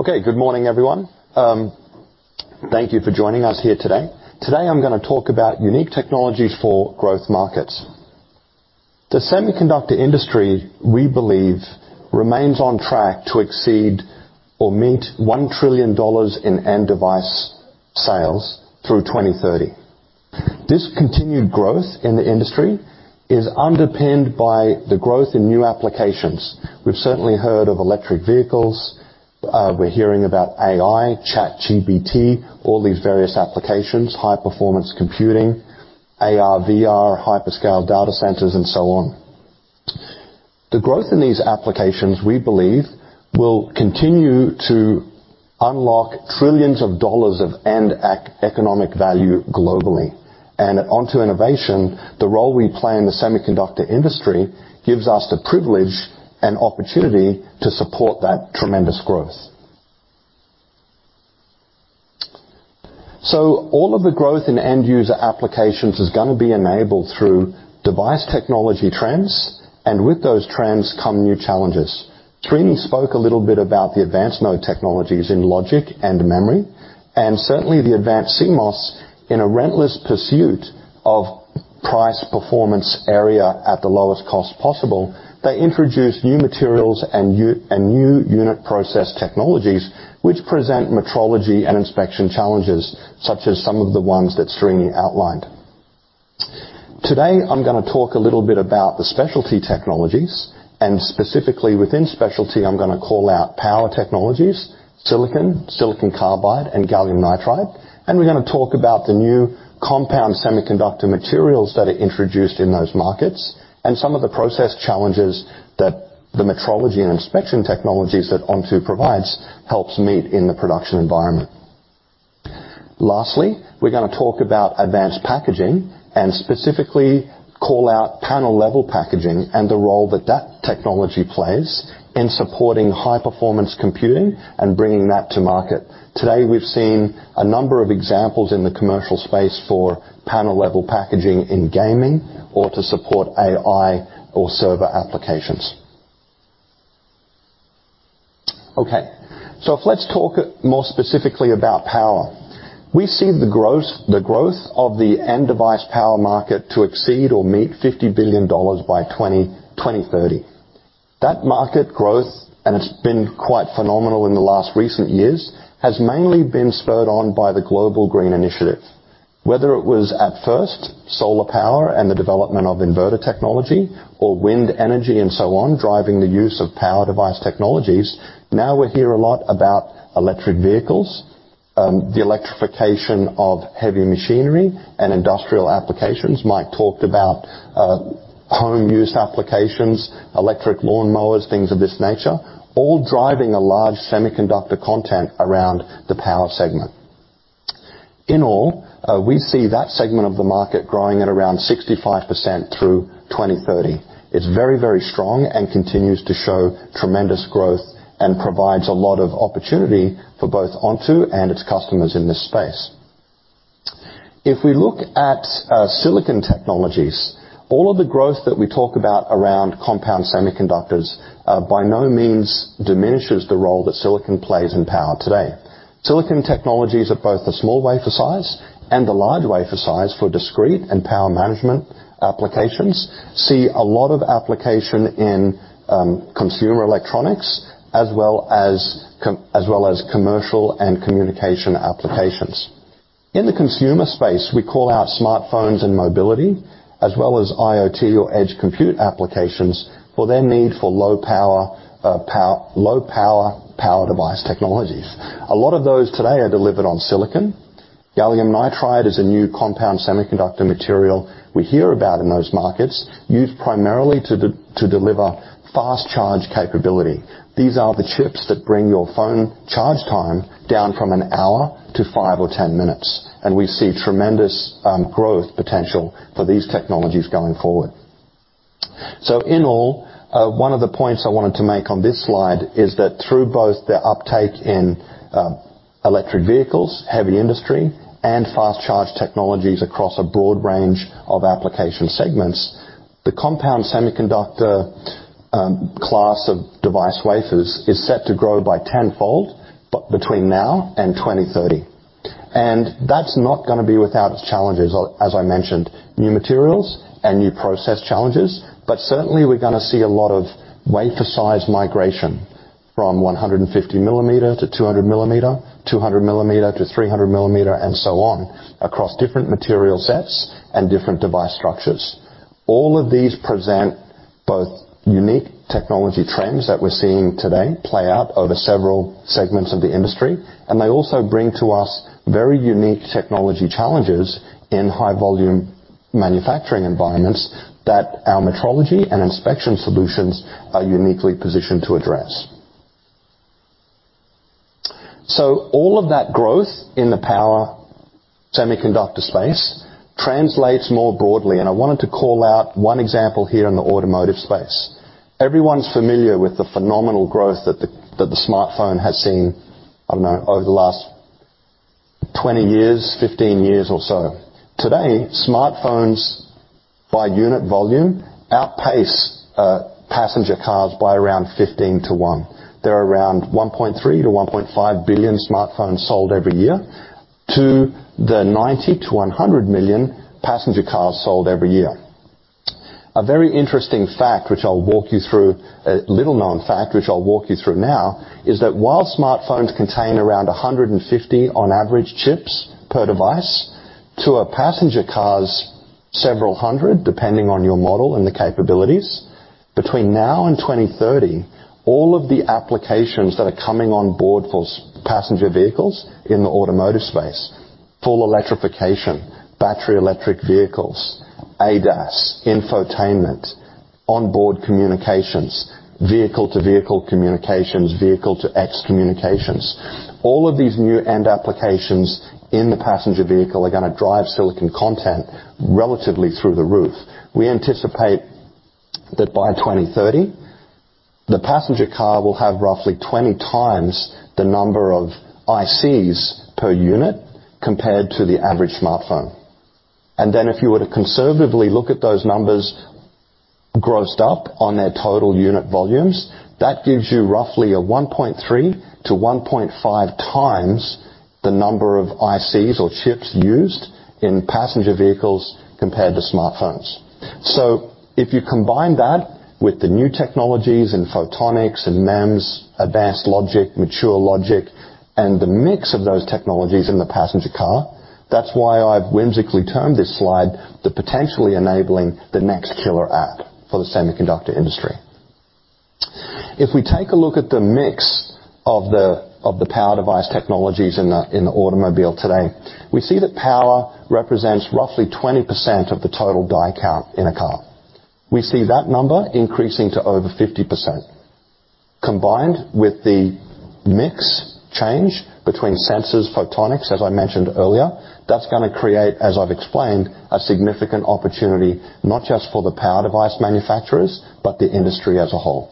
Okay, good morning, everyone. Thank you for joining us here today. Today, I'm gonna talk about unique technologies for growth markets. The semiconductor industry, we believe, remains on track to exceed or meet $1 trillion in end device sales through 2030. This continued growth in the industry is underpinned by the growth in new applications. We've certainly heard of electric vehicles, we're hearing about AI, ChatGPT, all these various applications, high-performance computing, AR, VR, hyperscale data centers, and so on. The growth in these applications, we believe, will continue to unlock trillions of dollars end economic value globally. At Onto Innovation, the role we play in the semiconductor industry gives us the privilege and opportunity to support that tremendous growth. All of the growth in end-user applications is gonna be enabled through device technology trends, and with those trends come new challenges. Srini spoke a little bit about the advanced node technologies in logic and memory, and certainly the advanced CMOS in a relentless pursuit of price, performance, area at the lowest cost possible. They introduce new materials and new unit process technologies, which present metrology and inspection challenges, such as some of the ones that Srini outlined. Today, I'm gonna talk a little bit about the specialty technologies, and specifically within specialty, I'm gonna call out power technologies: silicon carbide, and gallium nitride. We're gonna talk about the new compound semiconductor materials that are introduced in those markets, and some of the process challenges that the metrology and inspection technologies that Onto provides, helps meet in the production environment. We're gonna talk about advanced packaging, and specifically call out panel-level packaging, and the role that that technology plays in supporting high-performance computing and bringing that to market. Today, we've seen a number of examples in the commercial space for panel-level packaging in gaming or to support AI or server applications. Let's talk more specifically about power. We see the growth of the end device power market to exceed or meet $50 billion by 2030. That market growth, and it's been quite phenomenal in the last recent years, has mainly been spurred on by the global green initiative. Whether it was at first, solar power and the development of inverter technology or wind energy and so on, driving the use of power device technologies, now we hear a lot about electric vehicles, the electrification of heavy machinery and industrial applications. Mike talked about home use applications, electric lawn mowers, things of this nature, all driving a large semiconductor content around the power segment. In all, we see that segment of the market growing at around 65% through 2030. It's very, very strong and continues to show tremendous growth and provides a lot of opportunity for both Onto and its customers in this space. If we look at silicon technologies, all of the growth that we talk about around compound semiconductors, by no means diminishes the role that silicon plays in power today... Silicon technologies at both the small wafer size and the large wafer size for discrete and power management applications see a lot of application in consumer electronics, as well as commercial and communication applications. In the consumer space, we call out smartphones and mobility, as well as IoT or edge compute applications for their need for low power device technologies. A lot of those today are delivered on silicon. gallium nitride is a new compound semiconductor material we hear about in those markets, used primarily to deliver fast charge capability. These are the chips that bring your phone charge time down from an hour to five or 10 minutes, and we see tremendous growth potential for these technologies going forward. In all, one of the points I wanted to make on this slide is that through both the uptake in electric vehicles, heavy industry, and fast charge technologies across a broad range of application segments, the compound semiconductor class of device wafers is set to grow by tenfold between now and 2030. That's not gonna be without its challenges, as I mentioned, new materials and new process challenges. Certainly, we're gonna see a lot of wafer size migration from 150 mm to 200 mm, 200 mm to 300 mm, and so on, across different material sets and different device structures. All of these present both unique technology trends that we're seeing today play out over several segments of the industry, they also bring to us very unique technology challenges in high-volume manufacturing environments that our metrology and inspection solutions are uniquely positioned to address. All of that growth in the power semiconductor space translates more broadly, and I wanted to call out one example here in the automotive space. Everyone's familiar with the phenomenal growth that the smartphone has seen, I don't know, over the last 20 years, 15 years or so. Today, smartphones by unit volume, outpace passenger cars by around 15 to one. There are around 1.3 billion-1.5 billion smartphones sold every year, to the 90 million-100 million passenger cars sold every year. A very interesting fact, which I'll walk you through, a little-known fact, which I'll walk you through now, is that while smartphones contain around 150, on average, chips per device, to a passenger car's several hundred, depending on your model and the capabilities, between now and 2030, all of the applications that are coming on board for passenger vehicles in the automotive space, full electrification, battery electric vehicles, ADAS, infotainment, onboard communications, vehicle-to-vehicle communications, vehicle-to-X communications. All of these new end applications in the passenger vehicle are gonna drive silicon content relatively through the roof. We anticipate that by 2030, the passenger car will have roughly 20x the number of ICs per unit compared to the average smartphone. If you were to conservatively look at those numbers grossed up on their total unit volumes, that gives you roughly a 1.3x to 1.5x the number of ICs or chips used in passenger vehicles compared to smartphones. If you combine that with the new technologies in photonics and MEMS, advanced logic, mature logic, and the mix of those technologies in the passenger car, that's why I've whimsically termed this slide, the potentially enabling the next killer app for the semiconductor industry. If we take a look at the mix of the power device technologies in the automobile today, we see that power represents roughly 20% of the total die count in a car. We see that number increasing to over 50%. Combined with the mix change between sensors, photonics, as I mentioned earlier, that's gonna create, as I've explained, a significant opportunity, not just for the power device manufacturers, but the industry as a whole.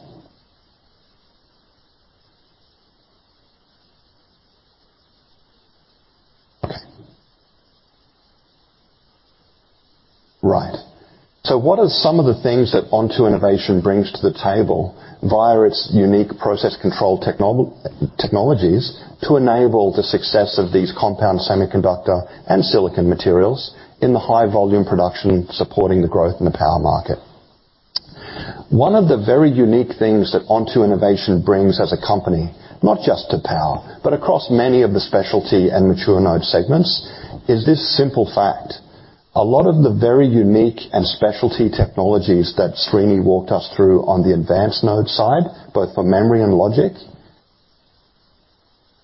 Okay. Right. What are some of the things that Onto Innovation brings to the table via its unique process control technologies to enable the success of these compound semiconductor and silicon materials in the high-volume production supporting the growth in the power market? One of the very unique things that Onto Innovation brings as a company, not just to power, but across many of the specialty and mature node segments, is this simple fact: a lot of the very unique and specialty technologies that Srini walked us through on the advanced node side, both for memory and logic,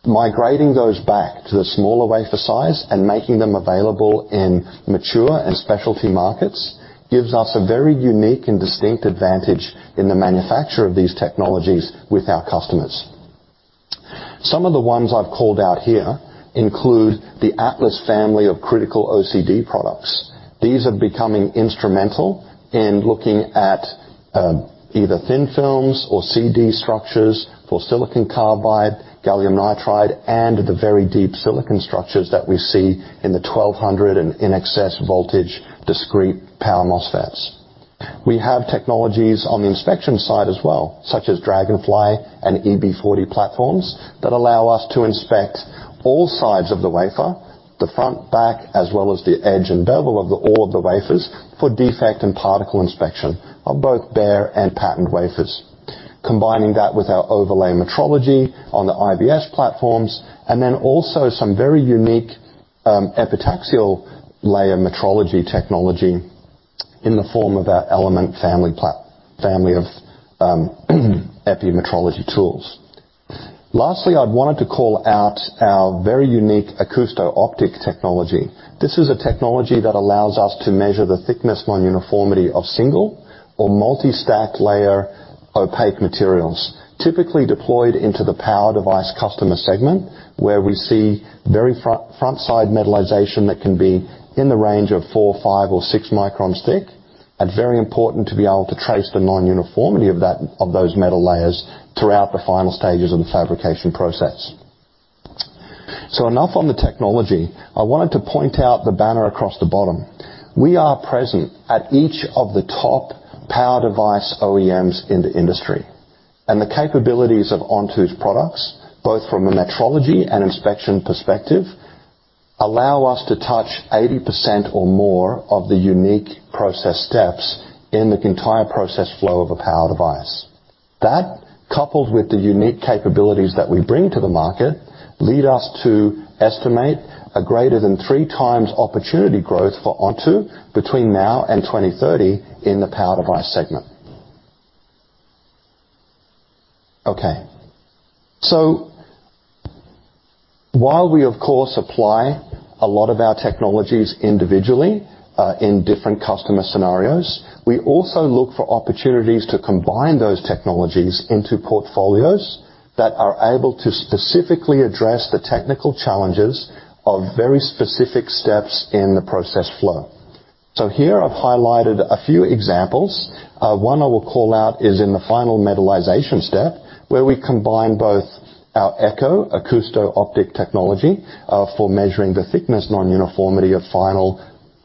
migrating those back to the smaller wafer size and making them available in mature and specialty markets, gives us a very unique and distinct advantage in the manufacture of these technologies with our customers. Some of the ones I've called out here include the Atlas family of critical OCD products. These are becoming instrumental in looking at either thin films or CD structures for silicon carbide, gallium nitride, and the very deep silicon structures that we see in the 1,200 and in excess voltage, discrete power MOSFETs. We have technologies on the inspection side as well, such as Dragonfly and EB40 platforms, that allow us to inspect all sides of the wafer, the front, back, as well as the edge and bevel of all of the wafers, for defect and particle inspection of both bare and patterned wafers. Combining that with our overlay metrology on the IVS platforms, and then also some very unique epitaxial layer metrology technology in the form of our Element family of epi metrology tools. Lastly, I wanted to call out our very unique acousto-optic technology. This is a technology that allows us to measure the thickness non-uniformity of single or multi-stack layer opaque materials, typically deployed into the power device customer segment, where we see very front, frontside metallization that can be in the range of 4 µ, 5 µ, or 6 µ thick, and very important to be able to trace the non-uniformity of those metal layers throughout the final stages of the fabrication process. Enough on the technology. I wanted to point out the banner across the bottom. We are present at each of the top power device OEMs in the industry. The capabilities of Onto's products, both from a metrology and inspection perspective, allow us to touch 80% or more of the unique process steps in the entire process flow of a power device. That, coupled with the unique capabilities that we bring to the market, lead us to estimate a greater than 3x opportunity growth for Onto between now and 2030 in the power device segment. Okay, while we, of course, apply a lot of our technologies individually, in different customer scenarios, we also look for opportunities to combine those technologies into portfolios that are able to specifically address the technical challenges of very specific steps in the process flow. Here I've highlighted a few examples. One I will call out is in the final metallization step, where we combine both our Echo acousto-optic technology for measuring the thickness non-uniformity of final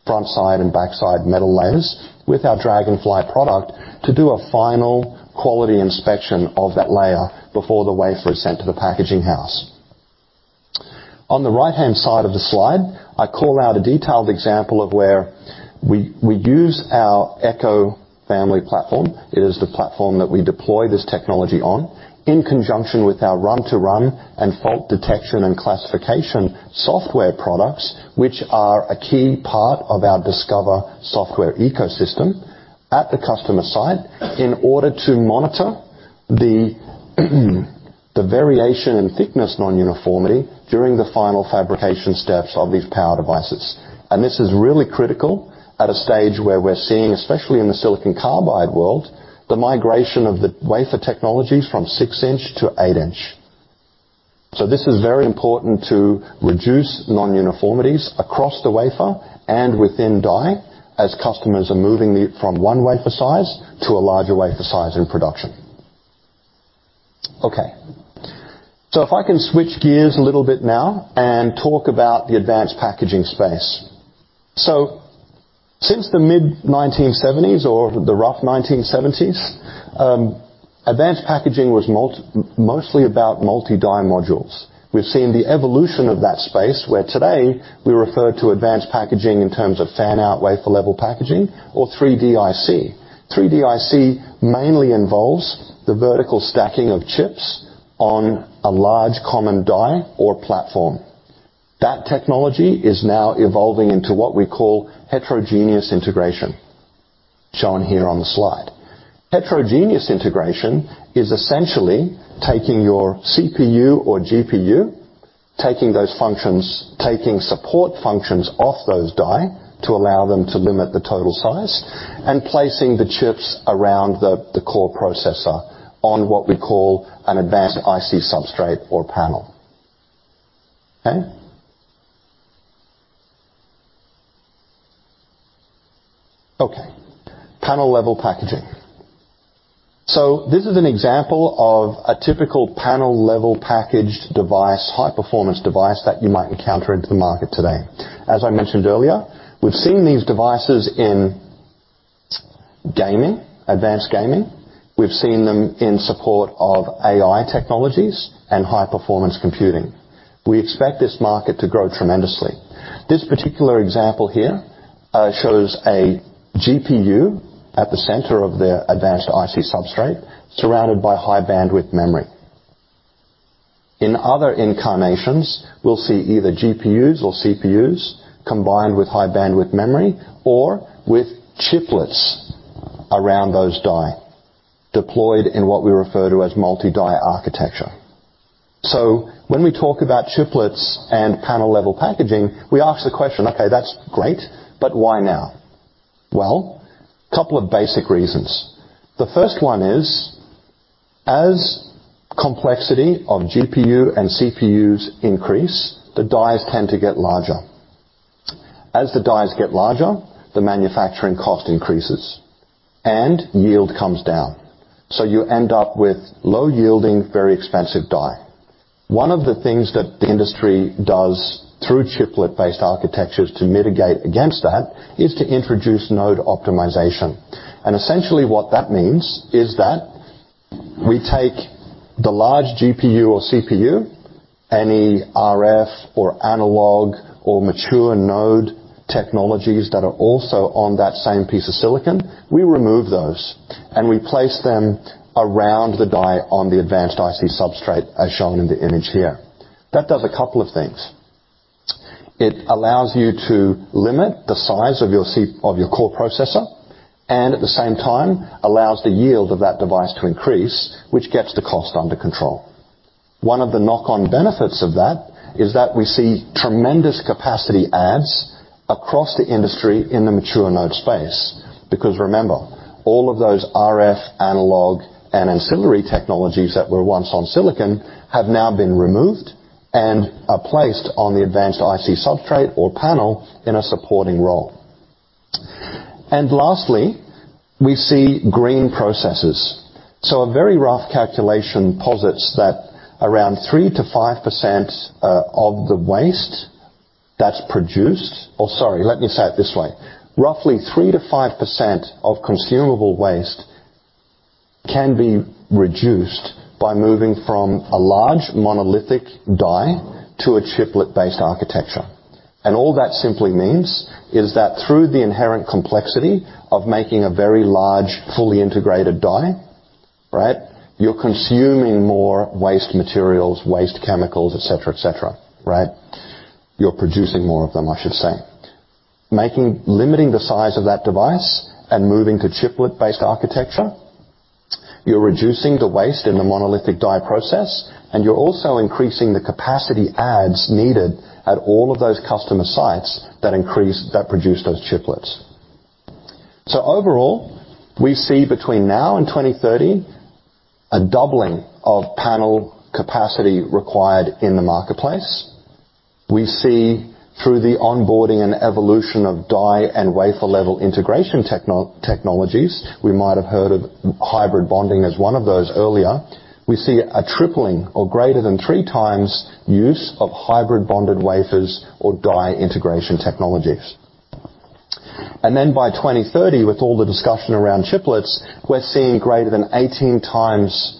front side and backside metal layers with our Dragonfly product to do a final quality inspection of that layer before the wafer is sent to the packaging house. On the right-hand side of the slide, I call out a detailed example of where we use our Echo family platform, it is the platform that we deploy this technology on, in conjunction with our run-to-run and fault detection and classification software products, which are a key part of our Discover software ecosystem, at the customer site, in order to monitor the variation in thickness non-uniformity during the final fabrication steps of these power devices. This is really critical at a stage where we're seeing, especially in the silicon carbide world, the migration of the wafer technologies from 6 in to 8 in. This is very important to reduce non-uniformities across the wafer and within die, as customers are moving from one wafer size to a larger wafer size in production. Okay, if I can switch gears a little bit now and talk about the advanced packaging space. Since the mid-1970s or the rough 1970s, advanced packaging was mostly about multi-die modules. We've seen the evolution of that space, where today we refer to advanced packaging in terms of fan-out wafer-level packaging or 3D IC. 3D IC mainly involves the vertical stacking of chips on a large common die or platform. That technology is now evolving into what we call heterogeneous integration, shown here on the slide. Heterogeneous integration is essentially taking your CPU or GPU, taking those functions, taking support functions off those die to allow them to limit the total size, and placing the chips around the core processor on what we call an advanced IC substrate or panel. Okay? Okay, panel level packaging. This is an example of a typical panel-level packaged device, high-performance device, that you might encounter in the market today. As I mentioned earlier, we've seen these devices in gaming, advanced gaming. We've seen them in support of AI technologies and high-performance computing. We expect this market to grow tremendously. This particular example here, shows a GPU at the center of the advanced IC substrate, surrounded by high-bandwidth memory. In other incarnations, we'll see either GPUs or CPUs combined with high-bandwidth memory or with chiplets around those die, deployed in what we refer to as multi-die architecture. When we talk about chiplets and panel-level packaging, we ask the question: "Okay, that's great, but why now?" Couple of basic reasons. The first one is, as complexity of GPU and CPUs increase, the dies tend to get larger. As the dies get larger, the manufacturing cost increases and yield comes down, you end up with low-yielding, very expensive die. One of the things that the industry does through chiplet-based architectures to mitigate against that is to introduce node optimization. Essentially, what that means is that we take the large GPU or CPU, any RF or analog or mature node technologies that are also on that same piece of silicon, we remove those, and we place them around the die on the advanced IC substrate, as shown in the image here. That does a couple of things. It allows you to limit the size of your core processor, at the same time allows the yield of that device to increase, which gets the cost under control. One of the knock-on benefits of that is that we see tremendous capacity adds across the industry in the mature node space. Remember, all of those RF, analog, and ancillary technologies that were once on silicon have now been removed and are placed on the advanced IC substrate or panel in a supporting role. Lastly, we see green processes. A very rough calculation posits that around 3%-5% of the waste that's produced. Or sorry, let me say it this way. Roughly 3%-5% of consumable waste can be reduced by moving from a large monolithic die to a chiplet-based architecture. All that simply means is that through the inherent complexity of making a very large, fully integrated die, right? You're consuming more waste materials, waste chemicals, et cetera, et cetera, right? You're producing more of them, I should say. Limiting the size of that device and moving to chiplet-based architecture, you're reducing the waste in the monolithic die process, and you're also increasing the capacity adds needed at all of those customer sites that produce those chiplets. Overall, we see between now and 2030, a doubling of panel capacity required in the marketplace. We see through the onboarding and evolution of die and wafer-level integration technologies. We might have heard of hybrid bonding as one of those earlier. We see a tripling or greater than 3x use of hybrid bonded wafers or die integration technologies. By 2030, with all the discussion around chiplets, we're seeing greater than 18x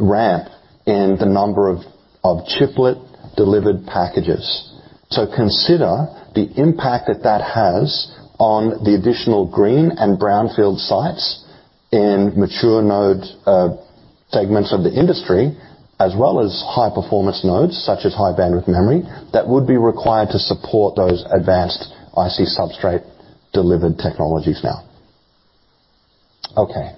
ramp in the number of chiplet-delivered packages. Consider the impact that that has on the additional green and brownfield sites in mature node segments of the industry, as well as high bandwidth memory, that would be required to support those advanced IC substrate-delivered technologies now. Okay,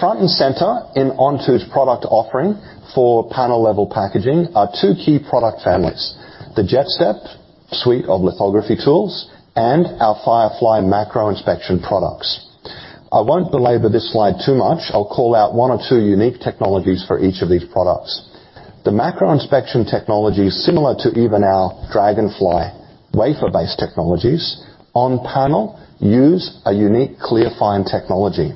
front and center in Onto's product offering for panel-level packaging are two key product families: the JetStep suite of lithography tools and our Firefly macro inspection products. I won't belabor this slide too much. I'll call out one or two unique technologies for each of these products. The macro inspection technology, similar to even our Dragonfly wafer-based technologies, on panel, use a unique Clearfind technology.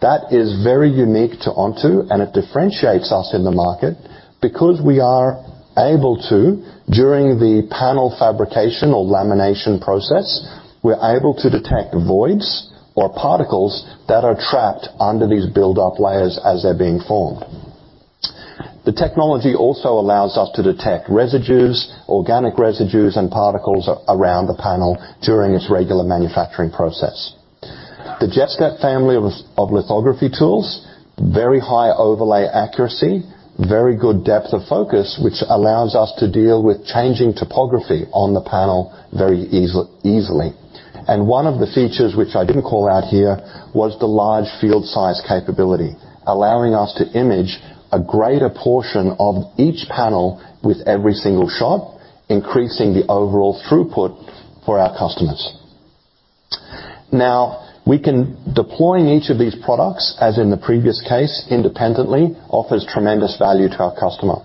That is very unique to Onto, and it differentiates us in the market because we are able to, during the panel fabrication or lamination process, we're able to detect voids or particles that are trapped under these build-up layers as they're being formed. The technology also allows us to detect residues, organic residues, and particles around the panel during its regular manufacturing process. The JetStep family of lithography tools, very high overlay accuracy, very good depth of focus, which allows us to deal with changing topography on the panel very easily. One of the features which I didn't call out here, was the large field size capability, allowing us to image a greater portion of each panel with every single shot, increasing the overall throughput for our customers. We can deploy each of these products, as in the previous case, independently, offers tremendous value to our customer.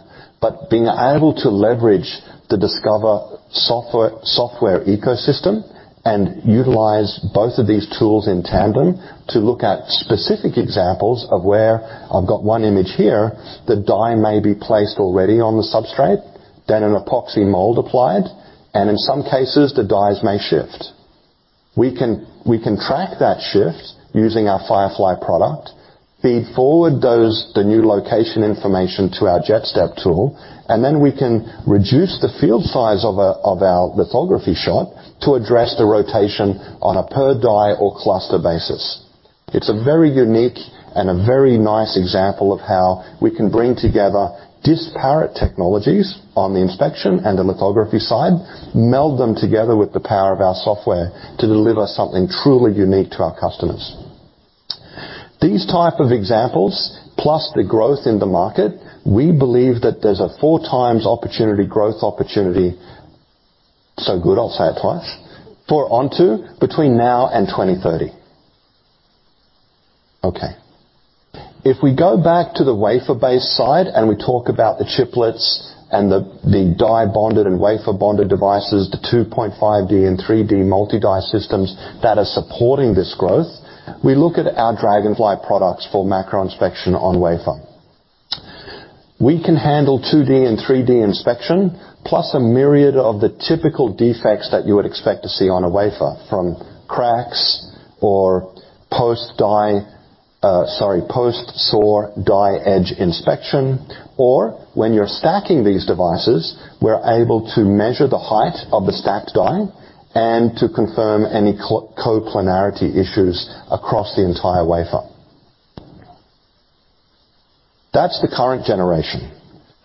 Being able to leverage the Discover software ecosystem and utilize both of these tools in tandem to look at specific examples of where, I've got one image here, the die may be placed already on the substrate, then an epoxy mold applied, and in some cases, the dies may shift. We can track that shift using our Firefly product, feed forward those, the new location information to our JetStep tool, and then we can reduce the field size of our lithography shot to address the rotation on a per-die or cluster basis. It's a very unique and a very nice example of how we can bring together disparate technologies on the inspection and the lithography side, meld them together with the power of our software to deliver something truly unique to our customers. These type of examples, plus the growth in the market, we believe that there's a 4x opportunity, growth opportunity, so good, I'll say it twice, for Onto between now and 2030. If we go back to the wafer-based side, we talk about the chiplets and the die-bonded and wafer-bonded devices, the 2.5D and 3D multi-die systems that are supporting this growth, we look at our Dragonfly products for macro inspection on wafer.... We can handle 2D and 3D inspection, plus a myriad of the typical defects that you would expect to see on a wafer, from cracks or post-die, sorry, post-SOR die edge inspection, or when you're stacking these devices, we're able to measure the height of the stacked die and to confirm any co-coplanarity issues across the entire wafer. That's the current generation.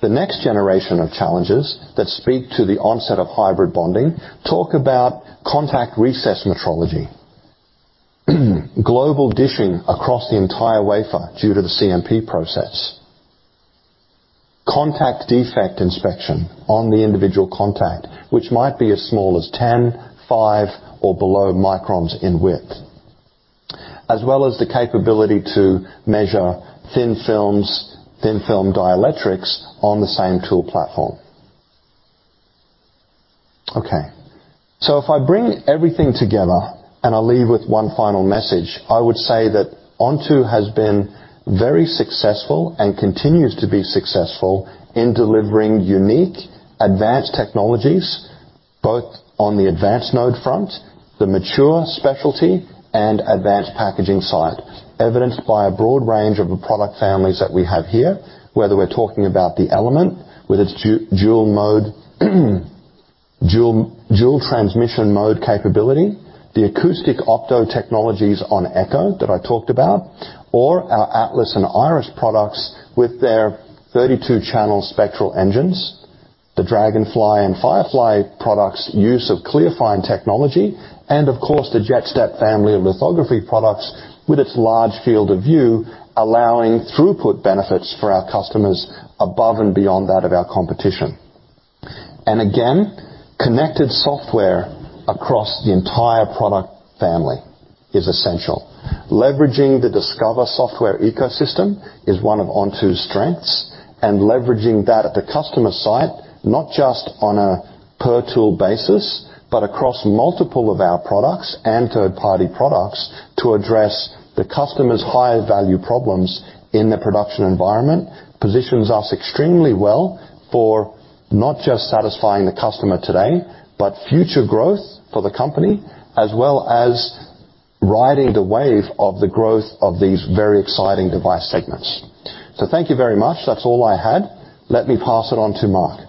The next generation of challenges that speak to the onset of hybrid bonding, talk about contact recess metrology, global dishing across the entire wafer due to the CMP process, contact defect inspection on the individual contact, which might be as small as 10, five, or below microns in width, as well as the capability to measure thin films, thin-film dielectrics on the same tool platform. If I bring everything together, I'll leave with one final message. I would say that Onto has been very successful and continues to be successful in delivering unique, advanced technologies, both on the advanced node front, the mature specialty, and advanced packaging side, evidenced by a broad range of the product families that we have here, whether we're talking about the Element with its dual mode, dual transmission mode capability, the acousto-optic technologies on Echo that I talked about, or our Atlas and Iris products with their 32 channel spectral engines, the Dragonfly and Firefly products use of Clearfind technology, the JetStep family of lithography products with its large field of view, allowing throughput benefits for our customers above and beyond that of our competition. Connected software across the entire product family is essential. Leveraging the Discover software ecosystem is one of Onto's strengths, leveraging that at the customer site, not just on a per tool basis, but across multiple of our products and third-party products to address the customer's higher value problems in their production environment, positions us extremely well for not just satisfying the customer today, but future growth for the company, as well as riding the wave of the growth of these very exciting device segments. Thank you very much. That's all I had. Let me pass it on to Mark.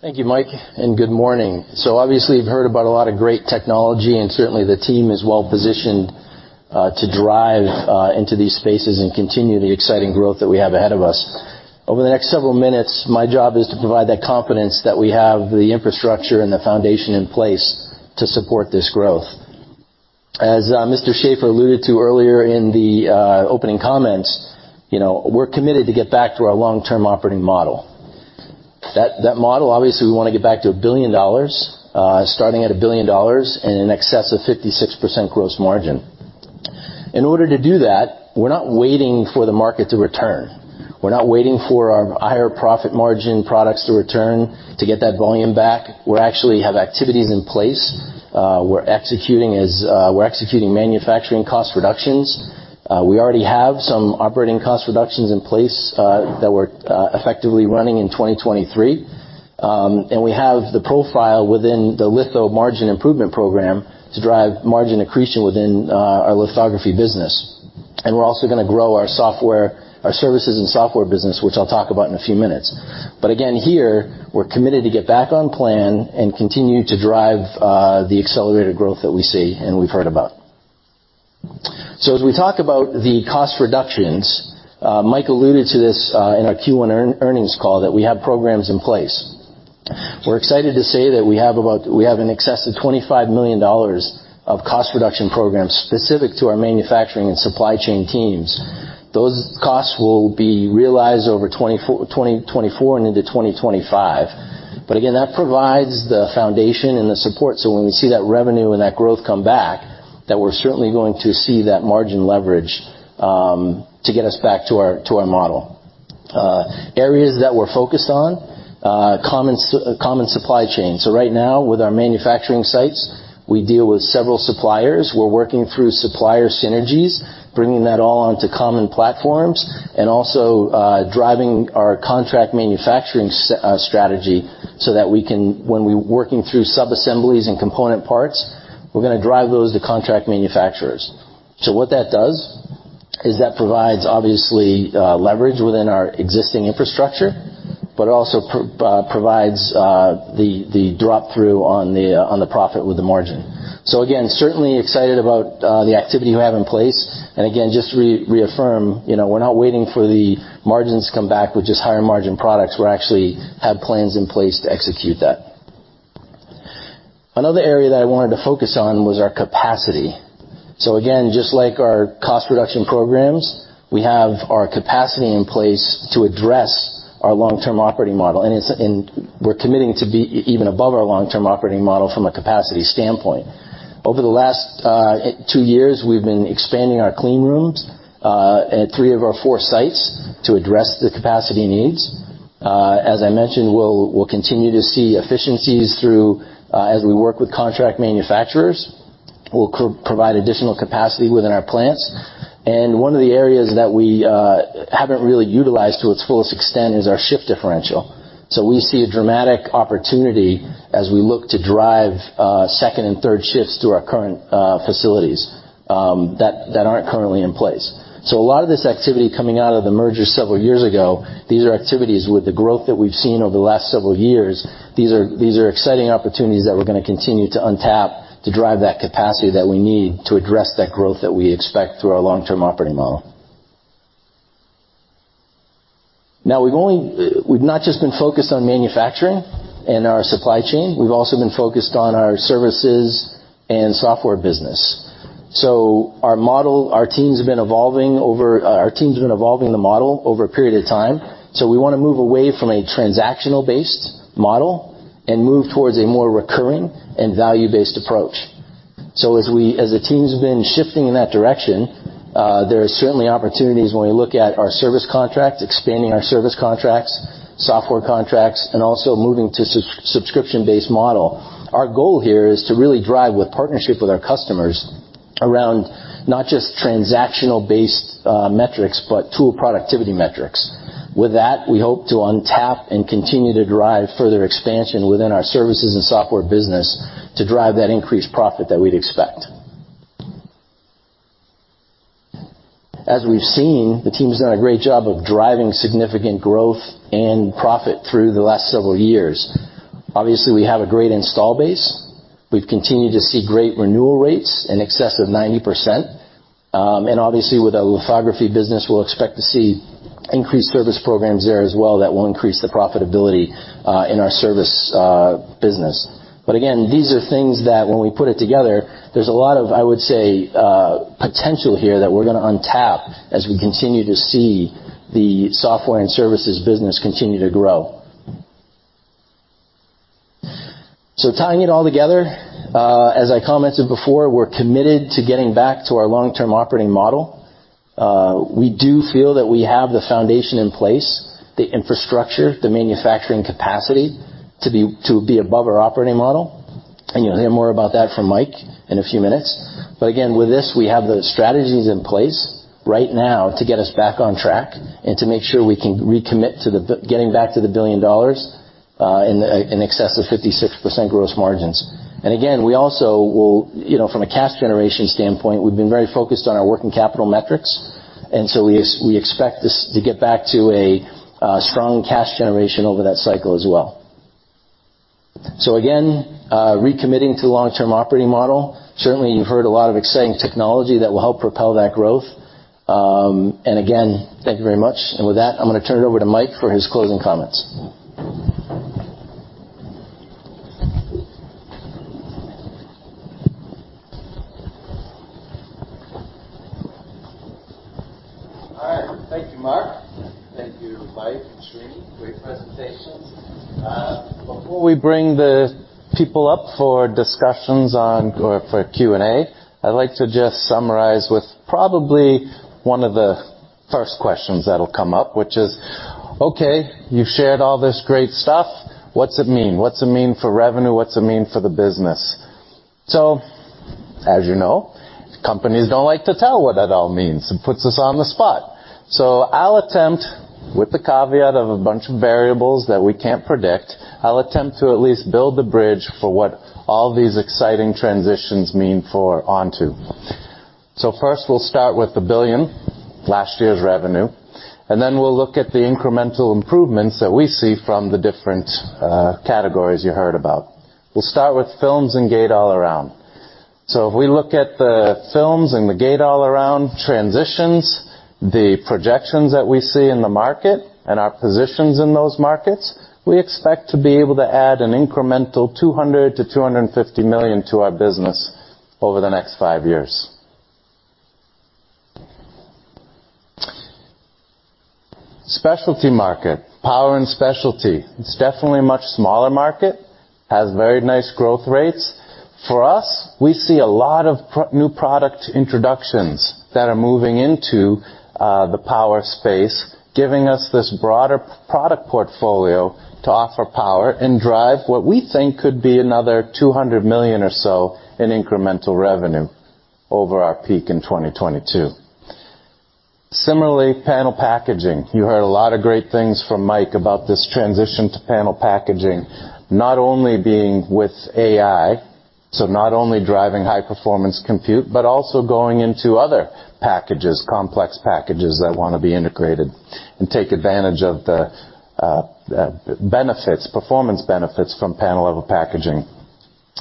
Thank you, Mike, and good morning. Obviously, you've heard about a lot of great technology, and certainly the team is well-positioned to drive into these spaces and continue the exciting growth that we have ahead of us. Over the next several minutes, my job is to provide that confidence that we have the infrastructure and the foundation in place to support this growth. As Mr. Sheaffer alluded to earlier in the opening comments, you know, we're committed to get back to our long-term operating model. That model, obviously, we wanna get back to $1 billion starting at $1 billion and in excess of 56% gross margin. In order to do that, we're not waiting for the market to return. We're not waiting for our higher profit margin products to return to get that volume back. We actually have activities in place. We're executing as we're executing manufacturing cost reductions. We already have some operating cost reductions in place that we're effectively running in 2023. We have the profile within the litho margin improvement program to drive margin accretion within our lithography business. We're also gonna grow our software, our services and software business, which I'll talk about in a few minutes. Again, here, we're committed to get back on plan and continue to drive the accelerated growth that we see and we've heard about. As we talk about the cost reductions, Mike alluded to this in our Q1 earnings call, that we have programs in place. We're excited to say that we have in excess of $25 million of cost reduction programs specific to our manufacturing and supply chain teams. Those costs will be realized over 2024 and into 2025. Again, that provides the foundation and the support, so when we see that revenue and that growth come back, that we're certainly going to see that margin leverage to get us back to our model. Areas that we're focused on, common supply chain. Right now, with our manufacturing sites, we deal with several suppliers. We're working through supplier synergies, bringing that all onto common platforms and also driving our contract manufacturing strategy. When we working through subassemblies and component parts, we're gonna drive those to contract manufacturers. What that does is that provides obviously, leverage within our existing infrastructure, but it also provides the drop-through on the profit with the margin. Again, certainly excited about the activity we have in place. Again, just to reaffirm, you know, we're not waiting for the margins to come back with just higher margin products. We actually have plans in place to execute that. Another area that I wanted to focus on was our capacity. Again, just like our cost reduction programs, we have our capacity in place to address our long-term operating model, and we're committing to be even above our long-term operating model from a capacity standpoint. Over the last two years, we've been expanding our clean rooms at three of our four sites to address the capacity needs. As I mentioned, we'll continue to see efficiencies through as we work with contract manufacturers, we'll provide additional capacity within our plants. One of the areas that we haven't really utilized to its fullest extent is our shift differential. We see a dramatic opportunity as we look to drive second and third shifts through our current facilities that aren't currently in place. A lot of this activity coming out of the merger several years ago, these are activities with the growth that we've seen over the last several years, these are exciting opportunities that we're gonna continue to untap to drive that capacity that we need to address that growth that we expect through our long-term operating model. Now, we've not just been focused on manufacturing and our supply chain, we've also been focused on our services and software business. Our model, our teams have been evolving the model over a period of time, we wanna move away from a transactional-based model and move towards a more recurring and value-based approach. As the teams have been shifting in that direction, there are certainly opportunities when we look at our service contracts, expanding our service contracts, software contracts, and also moving to sub-subscription-based model. Our goal here is to really drive with partnership with our customers around not just transactional-based metrics, but tool productivity metrics. With that, we hope to untap and continue to drive further expansion within our services and software business to drive that increased profit that we'd expect. As we've seen, the team's done a great job of driving significant growth and profit through the last several years. We have a great install base. We've continued to see great renewal rates in excess of 90%. With our lithography business, we'll expect to see increased service programs there as well that will increase the profitability in our service business. Again, these are things that when we put it together, there's a lot of, I would say, potential here that we're gonna untap as we continue to see the software and services business continue to grow. Tying it all together, as I commented before, we're committed to getting back to our long-term operating model. We do feel that we have the foundation in place, the infrastructure, the manufacturing capacity to be above our operating model. You'll hear more about that from Mike in a few minutes. Again, with this, we have the strategies in place right now to get us back on track and to make sure we can recommit to getting back to the $1 billion in excess of 56% gross margins. Again, we also will, you know, from a cash generation standpoint, we've been very focused on our working capital metrics, so we expect this to get back to a strong cash generation over that cycle as well. Again, recommitting to the long-term operating model. Certainly, you've heard a lot of exciting technology that will help propel that growth. Again, thank you very much. With that, I'm gonna turn it over to Mike for his closing comments. All right. Thank you, Mark. Thank you, Mike and Srini. Great presentation. Before we bring the people up for discussions on... Or for Q&A, I'd like to just summarize with probably one of the first questions that'll come up, which is: Okay, you've shared all this great stuff. What's it mean? What's it mean for revenue? What's it mean for the business? As you know, companies don't like to tell what that all means. It puts us on the spot. I'll attempt, with the caveat of a bunch of variables that we can't predict, I'll attempt to at least build the bridge for what all these exciting transitions mean for Onto. First, we'll start with the $1 billion, last year's revenue, and then we'll look at the incremental improvements that we see from the different categories you heard about. We'll start with films and Gate-All-Around. If we look at the films and the Gate-All-Around transitions, the projections that we see in the market and our positions in those markets, we expect to be able to add an incremental $200 million-$250 million to our business over the next five years. Specialty market, power and specialty. It's definitely a much smaller market, has very nice growth rates. For us, we see a lot of new product introductions that are moving into the power space, giving us this broader product portfolio to offer power and drive what we think could be another $200 million or so in incremental revenue over our peak in 2022. Similarly, panel packaging. You heard a lot of great things from Mike about this transition to panel packaging, not only being with AI, not only driving high-performance compute, but also going into other packages, complex packages, that wanna be integrated and take advantage of the benefits, performance benefits from panel-level packaging.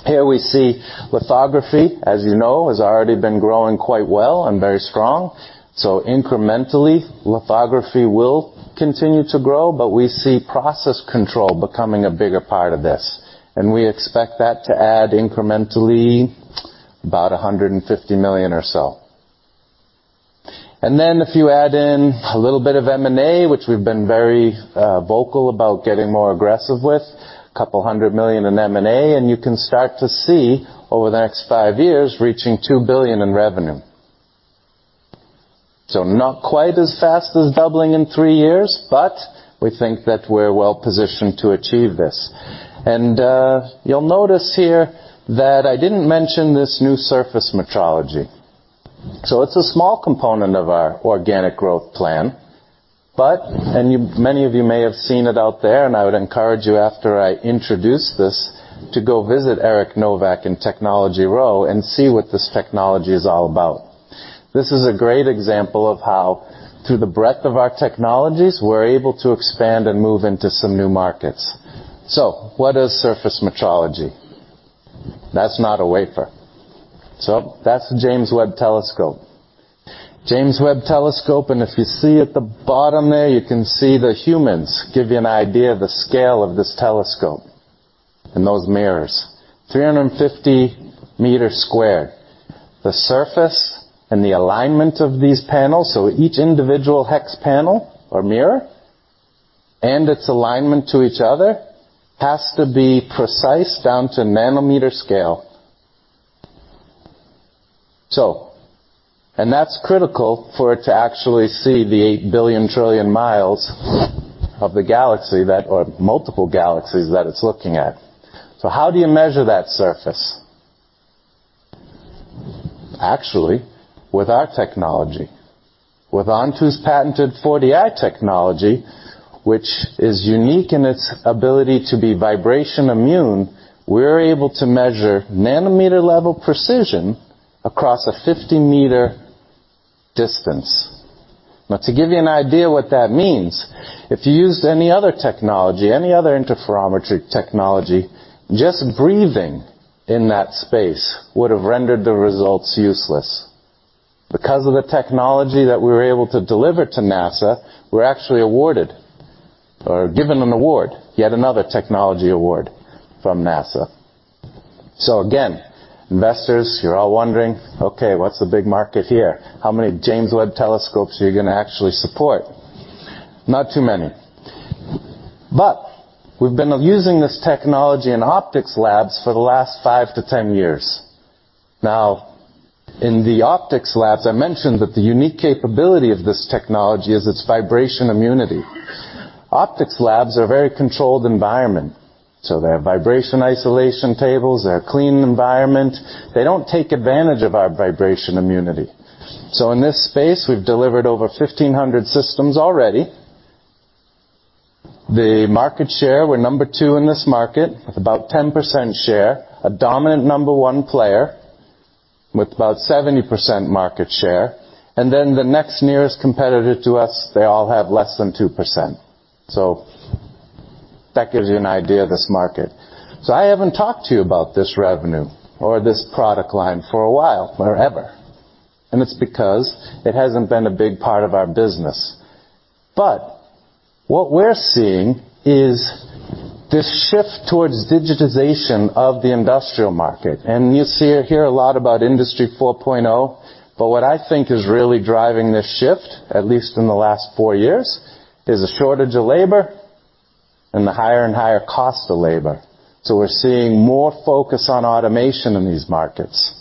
Here we see lithography, as you know, has already been growing quite well and very strong. Incrementally, lithography will continue to grow, but we see process control becoming a bigger part of this, and we expect that to add incrementally about $150 million or so. Then, if you add in a little bit of M&A, which we've been very vocal about getting more aggressive with, $200 million in M&A, and you can start to see over the next five years, reaching $2 billion in revenue. Not quite as fast as doubling in three years, but we think that we're well positioned to achieve this. You'll notice here that I didn't mention this new surface metrology. It's a small component of our organic growth plan, but you, many of you may have seen it out there, and I would encourage you, after I introduce this, to go visit Erik Novak in Technology Row and see what this technology is all about. This is a great example of how, through the breadth of our technologies, we're able to expand and move into some new markets. What is surface metrology? That's not a wafer. That's the James Webb Space Telescope. James Webb Space Telescope. If you see at the bottom there, you can see the humans, give you an idea of the scale of this telescope and those mirrors, 350 m squared. The surface and the alignment of these panels, so each individual hex panel or mirror, and its alignment to each other, has to be precise down to nanometer scale. That's critical for it to actually see the 8 billion trillion mi of the galaxy, that, or multiple galaxies that it's looking at. How do you measure that surface? Actually, with our technology. With Onto's patented 4Di technology, which is unique in its ability to be vibration immune, we're able to measure nanometer-level precision across a 50-m distance. To give you an idea what that means, if you used any other technology, any other interferometry technology, just breathing in that space would have rendered the results useless. Because of the technology that we were able to deliver to NASA, we're actually awarded or given an award, yet another technology award from NASA. Again, investors, you're all wondering: Okay, what's the big market here? How many James Webb telescopes are you going to actually support? Not too many. We've been using this technology in optics labs for the last five to 10 years. In the optics labs, I mentioned that the unique capability of this technology is its vibration immunity. Optics labs are a very controlled environment, so they have vibration isolation tables, they have clean environment. They don't take advantage of our vibration immunity. In this space, we've delivered over 1,500 systems already. The market share, we're number two in this market, with about 10% share. A dominant number one player with about 70% market share, and then the next nearest competitor to us, they all have less than 2%. That gives you an idea of this market. I haven't talked to you about this revenue or this product line for a while or ever, and it's because it hasn't been a big part of our business. What we're seeing is this shift towards digitization of the industrial market, and you see or hear a lot about Industry 4.0, but what I think is really driving this shift, at least in the last four years, is a shortage of labor and the higher and higher cost of labor. We're seeing more focus on automation in these markets.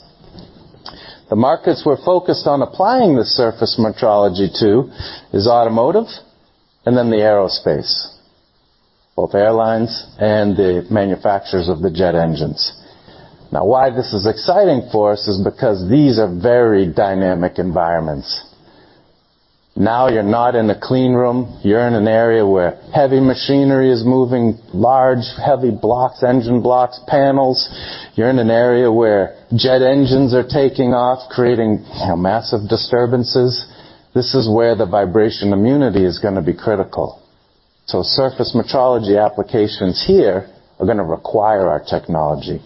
The markets we're focused on applying the surface metrology to is automotive and then the aerospace, both airlines and the manufacturers of the jet engines. Why this is exciting for us is because these are very dynamic environments. You're not in a clean room, you're in an area where heavy machinery is moving, large, heavy blocks, engine blocks, panels. You're in an area where jet engines are taking off, creating, you know, massive disturbances. This is where the vibration immunity is going to be critical. Surface metrology applications here are going to require our technology.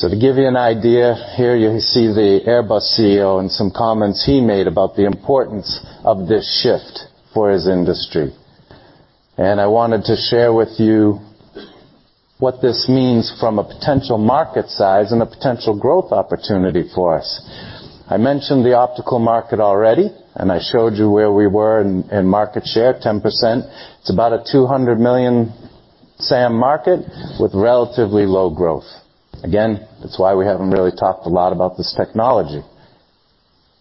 To give you an idea, here you see the Airbus CEO and some comments he made about the importance of this shift for his industry. I wanted to share with you what this means from a potential market size and a potential growth opportunity for us. I mentioned the optical market already, and I showed you where we were in market share, 10%. It's about a $200 million SAM market with relatively low growth. Again, that's why we haven't really talked a lot about this technology.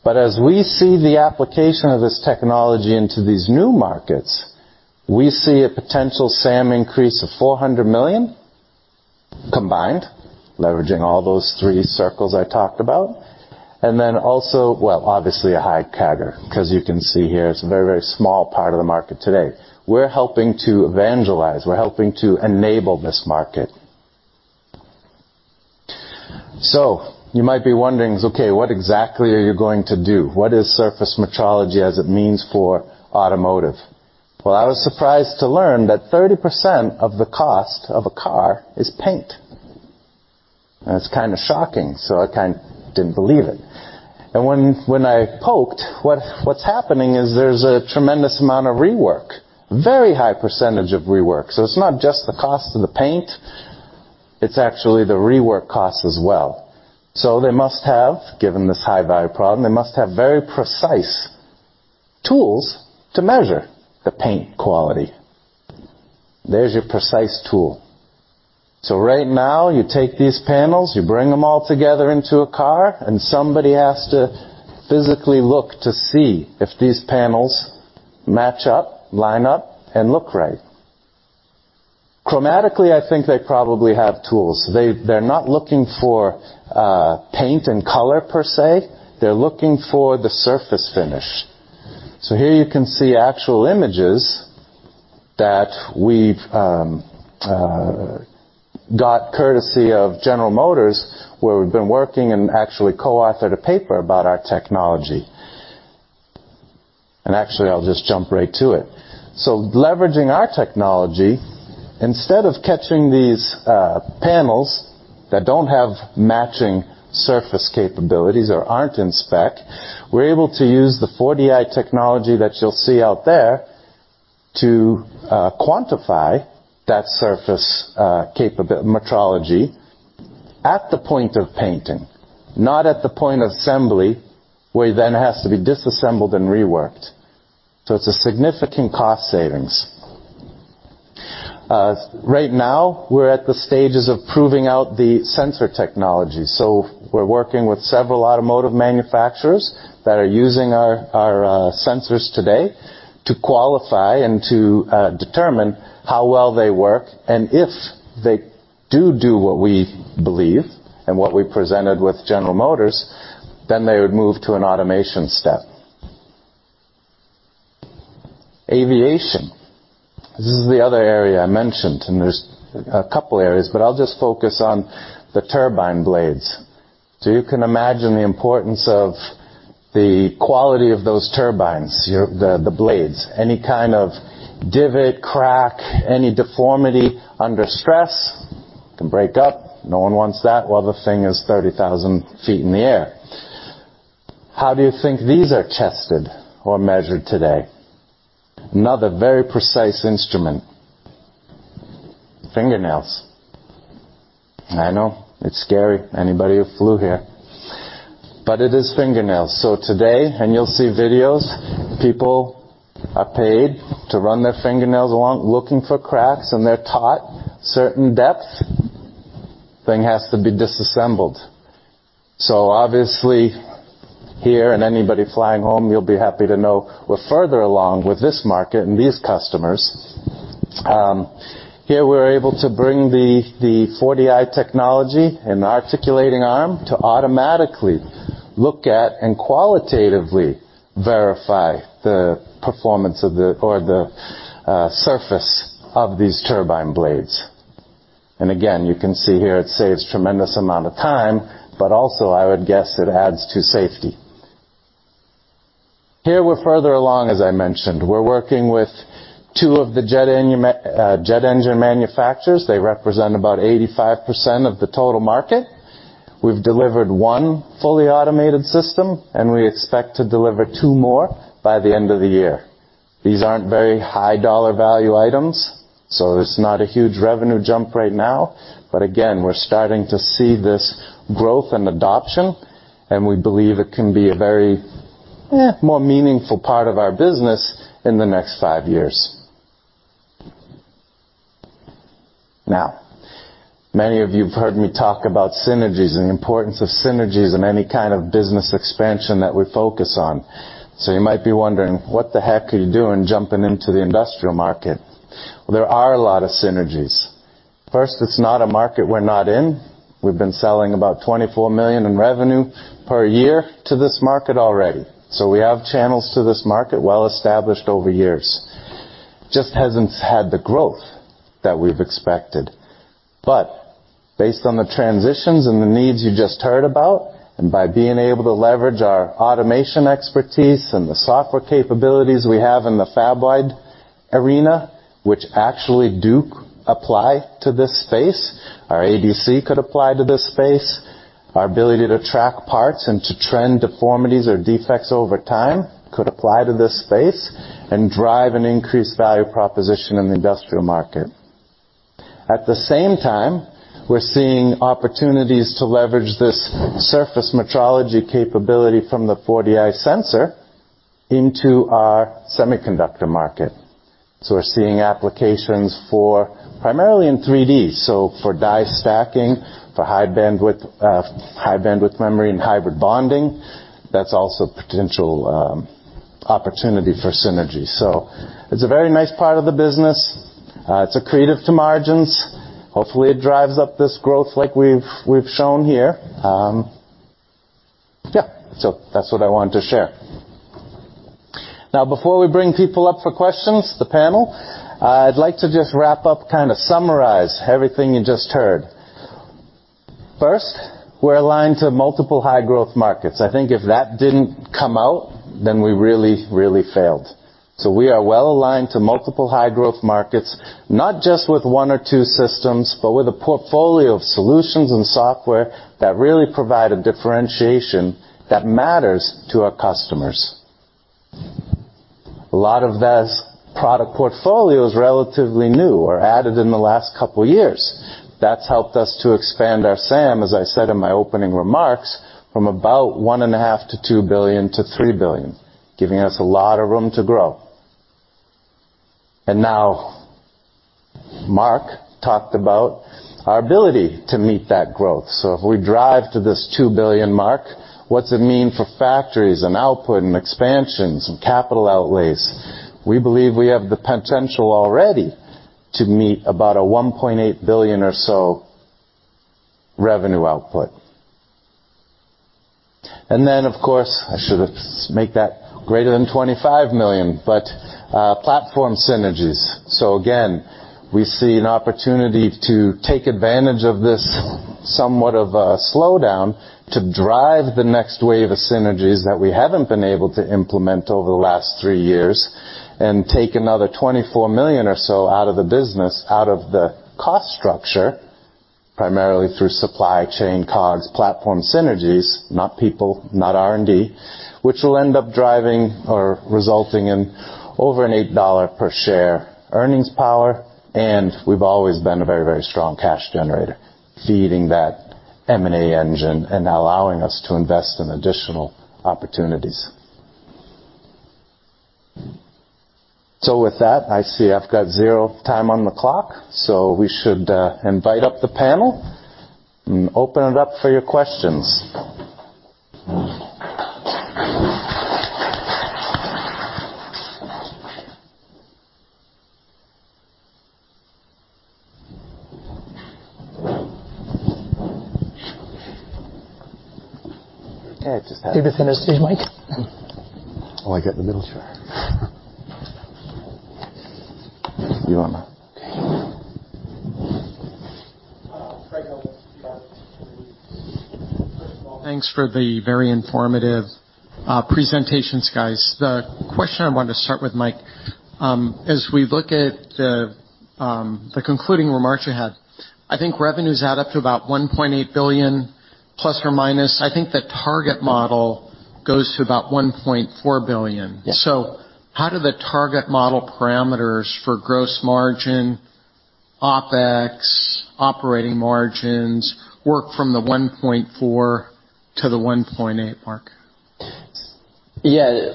As we see the application of this technology into these new markets, we see a potential SAM increase of $400 million combined, leveraging all those three circles I talked about. Obviously, a high CAGR, because you can see here, it's a very, very small part of the market today. We're helping to evangelize, we're helping to enable this market. You might be wondering, "Okay, what exactly are you going to do? What is surface metrology as it means for automotive?" Well, I was surprised to learn that 30% of the cost of a car is paint. That's kinda shocking, I kind of didn't believe it. When I poked, what's happening is there's a tremendous amount of rework, very high percentage of rework. It's not just the cost of the paint, it's actually the rework cost as well. They must have, given this high-value problem, they must have very precise tools to measure the paint quality. There's your precise tool. Right now, you take these panels, you bring them all together into a car, and somebody has to physically look to see if these panels match up, line up, and look right. Chromatically, I think they probably have tools. They're not looking for paint and color per se. They're looking for the surface finish. Here you can see actual images that we've got courtesy of General Motors, where we've been working and actually co-authored a paper about our technology. Actually, I'll just jump right to it. Leveraging our technology, instead of catching these panels that don't have matching surface capabilities or aren't in spec, we're able to use the 4Di technology that you'll see out there to quantify that surface metrology at the point of painting, not at the point of assembly, where it then has to be disassembled and reworked. It's a significant cost savings. Right now, we're at the stages of proving out the sensor technology. We're working with several automotive manufacturers that are using our sensors today to qualify and to determine how well they work, and if they do what we believe and what we presented with General Motors, then they would move to an automation step. Aviation. This is the other area I mentioned. There's a couple areas, but I'll just focus on the turbine blades. You can imagine the importance of the quality of those turbines, the blades. Any kind of divot, crack, any deformity under stress, can break up. No one wants that while the thing is 30,000 ft in the air. How do you think these are tested or measured today? Another very precise instrument, fingernails. I know, it's scary, anybody who flew here, but it is fingernails. Today, and you'll see videos, people are paid to run their fingernails along, looking for cracks, and they're taught certain depth. Thing has to be disassembled. Obviously, here and anybody flying home, you'll be happy to know we're further along with this market and these customers. Here, we're able to bring the 4Di technology and articulating arm to automatically look at and qualitatively verify the performance of or the surface of these turbine blades. Again, you can see here it saves tremendous amount of time, but also I would guess it adds to safety. Here, we're further along, as I mentioned. We're working with two of the jet engine manufacturers. They represent about 85% of the total market. We've delivered one fully automated system, we expect to deliver two more by the end of the year. These aren't very high dollar value items, so it's not a huge revenue jump right now. Again, we're starting to see this growth and adoption, and we believe it can be a very, more meaningful part of our business in the next five years. Many of you have heard me talk about synergies and the importance of synergies in any kind of business expansion that we focus on. You might be wondering, what the heck are you doing jumping into the industrial market? There are a lot of synergies. First, it's not a market we're not in. We've been selling about $24 million in revenue per year to this market already, so we have channels to this market well-established over years. Just hasn't had the growth that we've expected. Based on the transitions and the needs you just heard about, and by being able to leverage our automation expertise and the software capabilities we have in the FabWide arena, which actually do apply to this space, our ADC could apply to this space. Our ability to track parts and to trend deformities or defects over time could apply to this space and drive an increased value proposition in the industrial market. At the same time, we're seeing opportunities to leverage this surface metrology capability from the 4Di sensor into our semiconductor market. We're seeing applications for Primarily in 3D, so for die stacking, for high bandwidth memory, and hybrid bonding, that's also potential opportunity for synergy. It's a very nice part of the business. It's accretive to margins. Hopefully, it drives up this growth like we've shown here. Yeah, so that's what I wanted to share. Now, before we bring people up for questions, the panel, I'd like to just wrap up, kind of summarize everything you just heard. First, we're aligned to multiple high-growth markets. I think if that didn't come out, then we really failed. We are well-aligned to multiple high-growth markets, not just with one or two systems, but with a portfolio of solutions and software that really provide a differentiation that matters to our customers. A lot of this product portfolio is relatively new or added in the last couple of years. That's helped us to expand our SAM, as I said in my opening remarks, from about $1.5 billion-$2 billion to $3 billion, giving us a lot of room to grow. Now, Mark talked about our ability to meet that growth. If we drive to this $2 billion mark, what's it mean for factories, and output, and expansions, and capital outlays? We believe we have the potential already to meet about a $1.8 billion or so revenue output. Of course, I should have make that greater than $25 million, but platform synergies. Again, we see an opportunity to take advantage of this somewhat of a slowdown, to drive the next wave of synergies that we haven't been able to implement over the last three years, and take another $24 million or so out of the business, out of the cost structure, primarily through supply chain, COGS, platform synergies, not people, not R&D, which will end up driving or resulting in over an $8 per share earnings power. We've always been a very strong cash generator, feeding that M&A engine and allowing us to invest in additional opportunities. With that, I see I've got zero time on the clock, we should invite up the panel and open it up for your questions. Did you finish his mic? Oh, I got the middle chair. You are now. Okay. Craig, First of all, thanks for the very informative, presentations, guys. The question I wanted to start with, Mike, as we look at the concluding remarks you had, I think revenues add up to about $1.8 billion±. I think the target model goes to about $1.4 billion. Yeah. How do the target model parameters for gross margin, OpEx, operating margins, work from the 1.4%-1.8% mark? Yeah.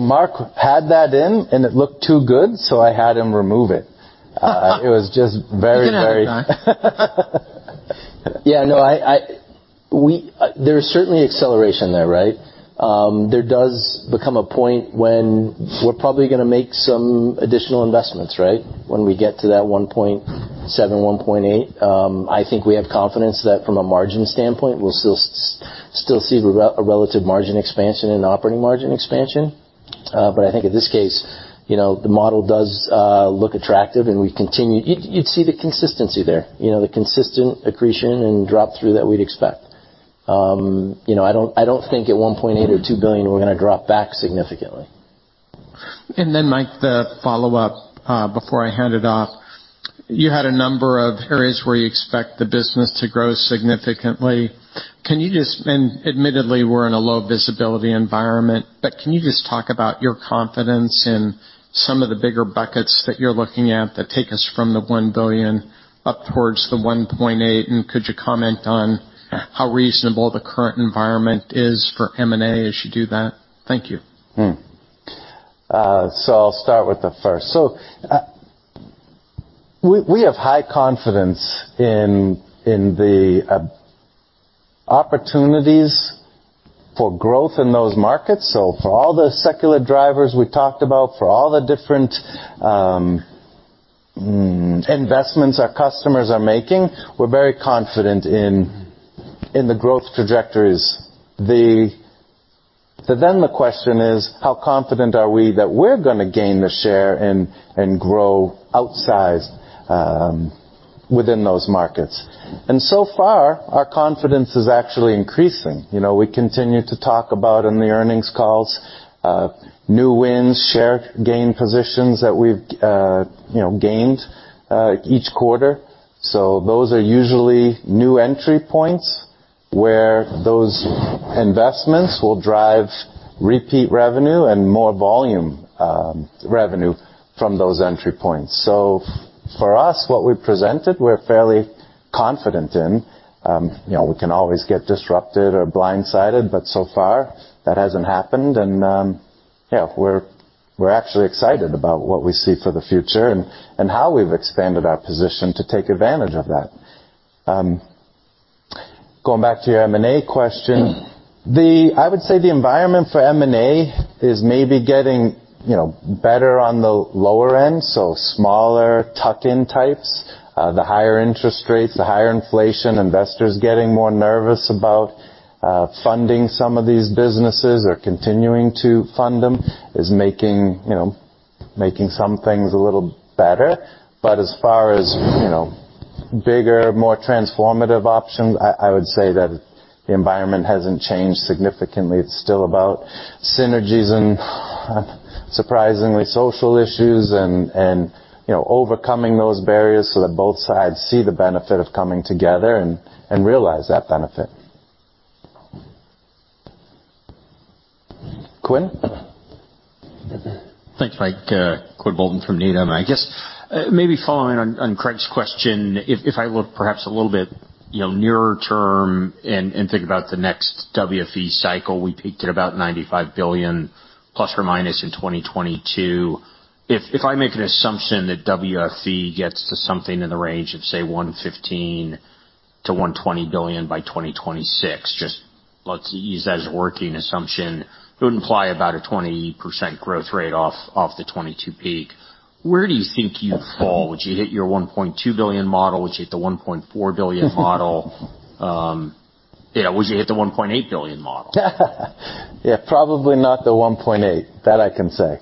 Mark had that in, and it looked too good, so I had him remove it. It was just very. You can have it back. No, we, there is certainly acceleration there, right? There does become a point when we're probably gonna make some additional investments, right? When we get to that $1.7 billion, $1.8 billion. I think we have confidence that from a margin standpoint, we'll still see a relative margin expansion and operating margin expansion. I think in this case, you know, the model does look attractive, and we continue, you'd see the consistency there, you know, the consistent accretion and drop-through that we'd expect. You know, I don't, I don't think at $1.8 billion or $2 billion, we're gonna drop back significantly. Mike, the follow-up, before I hand it off, you had a number of areas where you expect the business to grow significantly. Admittedly, we're in a low visibility environment, but can you just talk about your confidence in some of the bigger buckets that you're looking at that take us from the $1 billion up towards the $1.8 billion? Could you comment on how reasonable the current environment is for M&A as you do that? Thank you. I'll start with the first. We have high confidence in the opportunities for growth in those markets. For all the secular drivers we talked about, for all the different investments our customers are making, we're very confident in the growth trajectories. The question is, how confident are we that we're gonna gain the share and grow outsized within those markets? So far, our confidence is actually increasing. You know, we continue to talk about in the earnings calls, new wins, share gain positions that we've, you know, gained each quarter. Those are usually new entry points, where those investments will drive repeat revenue and more volume revenue from those entry points. For us, what we presented, we're fairly confident in. You know, we can always get disrupted or blindsided, so far, that hasn't happened. We're actually excited about what we see for the future and how we've expanded our position to take advantage of that. Going back to your M&A question, I would say the environment for M&A is maybe getting, you know, better on the lower end, so smaller tuck-in types. The higher interest rates, the higher inflation, investors getting more nervous about funding some of these businesses or continuing to fund them is making, you know, making some things a little better. As far as, you know, bigger, more transformative options, I would say that the environment hasn't changed significantly. It's still about synergies and, surprisingly, social issues and, you know, overcoming those barriers so that both sides see the benefit of coming together and realize that benefit. Quinn? Thanks, Mike. Quinn Bolton from Needham. I guess, you know, nearer term and think about the next WFE cycle, we peaked at about $95 billion, ± in 2022. If I make an assumption that WFE gets to something in the range of, say, $115 billion-$120 billion by 2026, just let's use that as a working assumption. It would imply about a 20% growth rate off the 2022 peak. Where do you think you fall? Would you hit your $1.2 billion model? Would you hit the $1.4 billion model? Yeah, would you hit the $1.8 billion model? Yeah, probably not the 1.8, that I can say.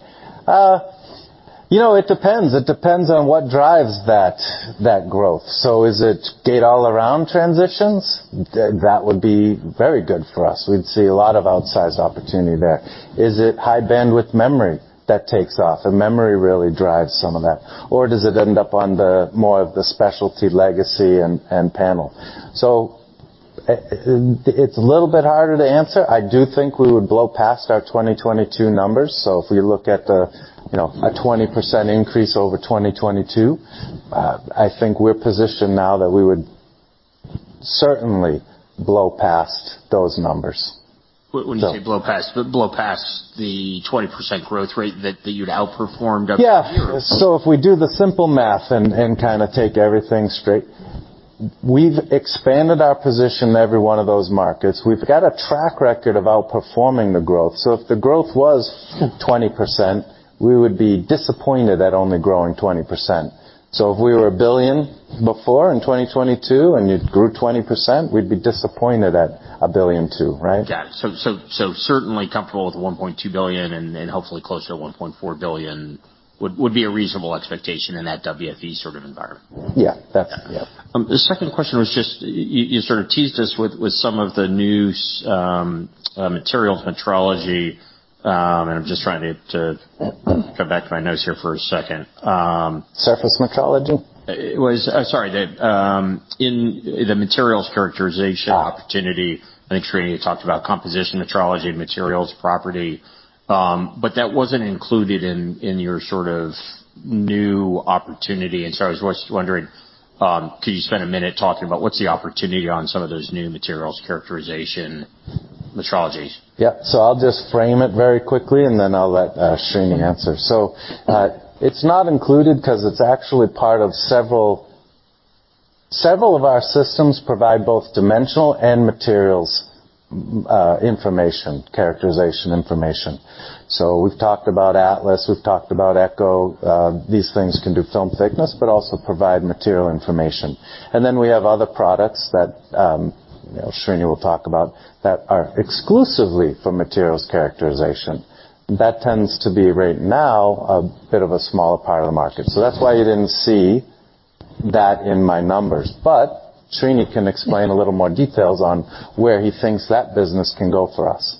You know, it depends. It depends on what drives that growth. Is it Gate-All-Around transitions? That would be very good for us. We'd see a lot of outsized opportunity there. Is it high bandwidth memory that takes off, and memory really drives some of that? Or does it end up on the more of the specialty legacy and panel? It's a little bit harder to answer. I do think we would blow past our 2022 numbers. If we look at the, you know, a 20% increase over 2022, I think we're positioned now that we would certainly blow past those numbers. When you say blow past the 20% growth rate that you'd outperformed over the years. Yeah. If we do the simple math and kind of take everything straight, we've expanded our position in every one of those markets. We've got a track record of outperforming the growth. If the growth was 20%, we would be disappointed at only growing 20%. If we were $1 billion before in 2022, and you grew 20%, we'd be disappointed at $1.2 billion, right? Got it. certainly comfortable with $1.2 billion, and then hopefully closer to $1.4 billion, would be a reasonable expectation in that WFE sort of environment. Yeah, definitely. Yeah. The second question was just, you sort of teased us with some of the new, materials metrology, and I'm just trying to go back to my notes here for a second. Surface metrology? It was... Sorry, the, in the materials characterization- Ah. Opportunity. I think Srini talked about composition, metrology, materials, property, but that wasn't included in your sort of new opportunity. I was just wondering, could you spend a minute talking about what's the opportunity on some of those new materials, characterization, metrology? Yeah. I'll just frame it very quickly, and then I'll let Srini answer. It's not included because it's actually part of several of our systems provide both dimensional and materials information, characterization information. We've talked about Atlas, we've talked about Echo. These things can do film thickness, but also provide material information. We have other products that, you know, Srini will talk about, that are exclusively for materials characterization. That tends to be, right now, a bit of a smaller part of the market. That's why you didn't see that in my numbers. Srini can explain a little more details on where he thinks that business can go for us.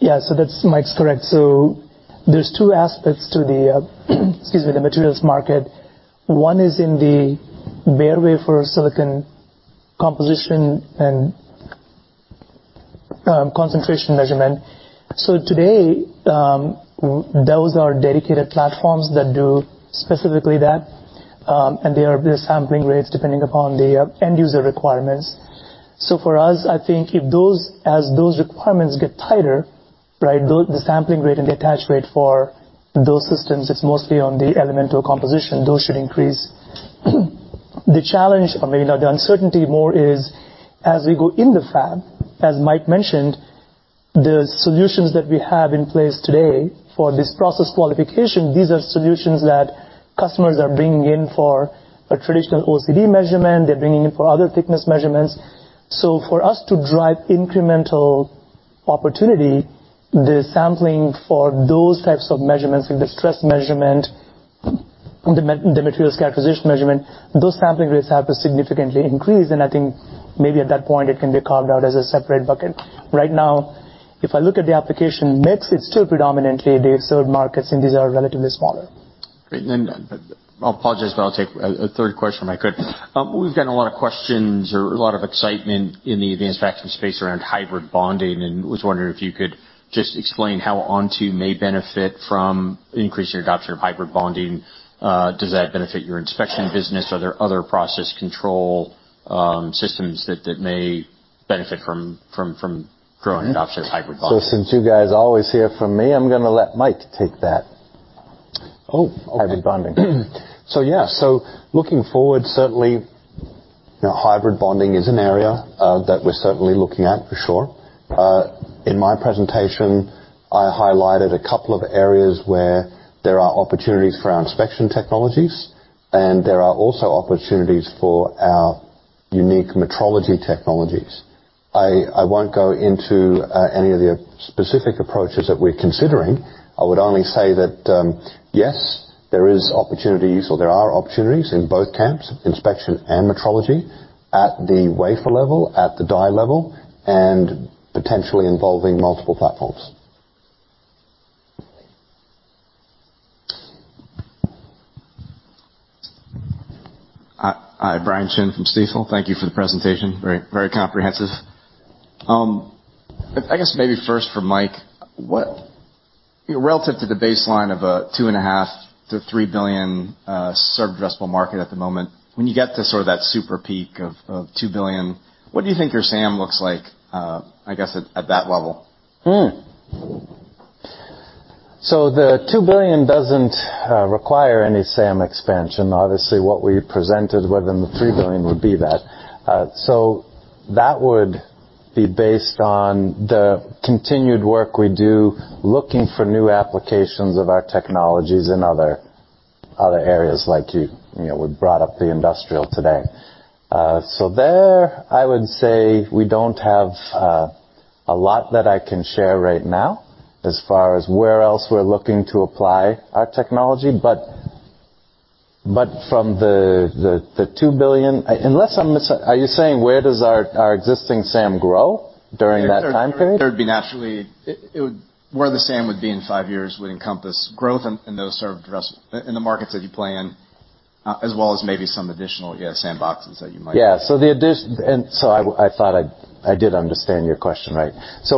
That's Mike's correct. There's two aspects to the materials market. One is in the bare wafer silicon composition and concentration measurement. Today, those are dedicated platforms that do specifically that, and they are the sampling rates, depending upon the end user requirements. For us, I think as those requirements get tighter, right, the sampling rate and the attach rate for those systems, it's mostly on the elemental composition, those should increase. The challenge, I mean, or the uncertainty more is as we go in the fab, as Mike mentioned, the solutions that we have in place today for this process qualification, these are solutions that customers are bringing in for a traditional OCD measurement, they're bringing in for other thickness measurements. For us to drive incremental opportunity, the sampling for those types of measurements, like the stress measurement, the materials acquisition measurement, those sampling rates have to significantly increase, and I think maybe at that point, it can be carved out as a separate bucket. Right now, if I look at the application mix, it's still predominantly the third markets, and these are relatively smaller. Great. I'll apologize, but I'll take a third question if I could. We've gotten a lot of questions or a lot of excitement in the advanced packaging space around hybrid bonding. Was wondering if you could just explain how Onto may benefit from increased adoption of hybrid bonding. Does that benefit your inspection business? Are there other process control systems that may benefit from growing adoption of hybrid bonding? Since you guys are always hear from me, I'm gonna let Mike take that. Oh, okay. Hybrid bonding. Yeah. Looking forward, certainly, you know, hybrid bonding is an area that we're certainly looking at for sure. In my presentation, I highlighted a couple of areas where there are opportunities for our inspection technologies, and there are also opportunities for our unique metrology technologies. I won't go into any of the specific approaches that we're considering. I would only say that, yes, there is opportunities, or there are opportunities in both camps, inspection and metrology, at the wafer level, at the die level, and potentially involving multiple platforms. Hi, Brian Chin from Stifel. Thank you for the presentation. Very, very comprehensive. I guess maybe first for Mike, relative to the baseline of a $2.5 billion-$3 billion served addressable market at the moment, when you get to sort of that super peak of $2 billion, what do you think your SAM looks like, I guess, at that level? The $2 billion doesn't require any SAM expansion. Obviously, what we presented within the $3 billion would be that. That would be based on the continued work we do, looking for new applications of our technologies in other areas, like you know, we brought up the industrial today. There, I would say we don't have a lot that I can share right now, as far as where else we're looking to apply our technology. From the $2 billion... Are you saying, where does our existing SAM grow during that time period? Where the SAM would be in five years would encompass growth in those served in the markets that you play in, as well as maybe some additional, yeah, sandboxes that you might. Yeah. I thought I did understand your question, right.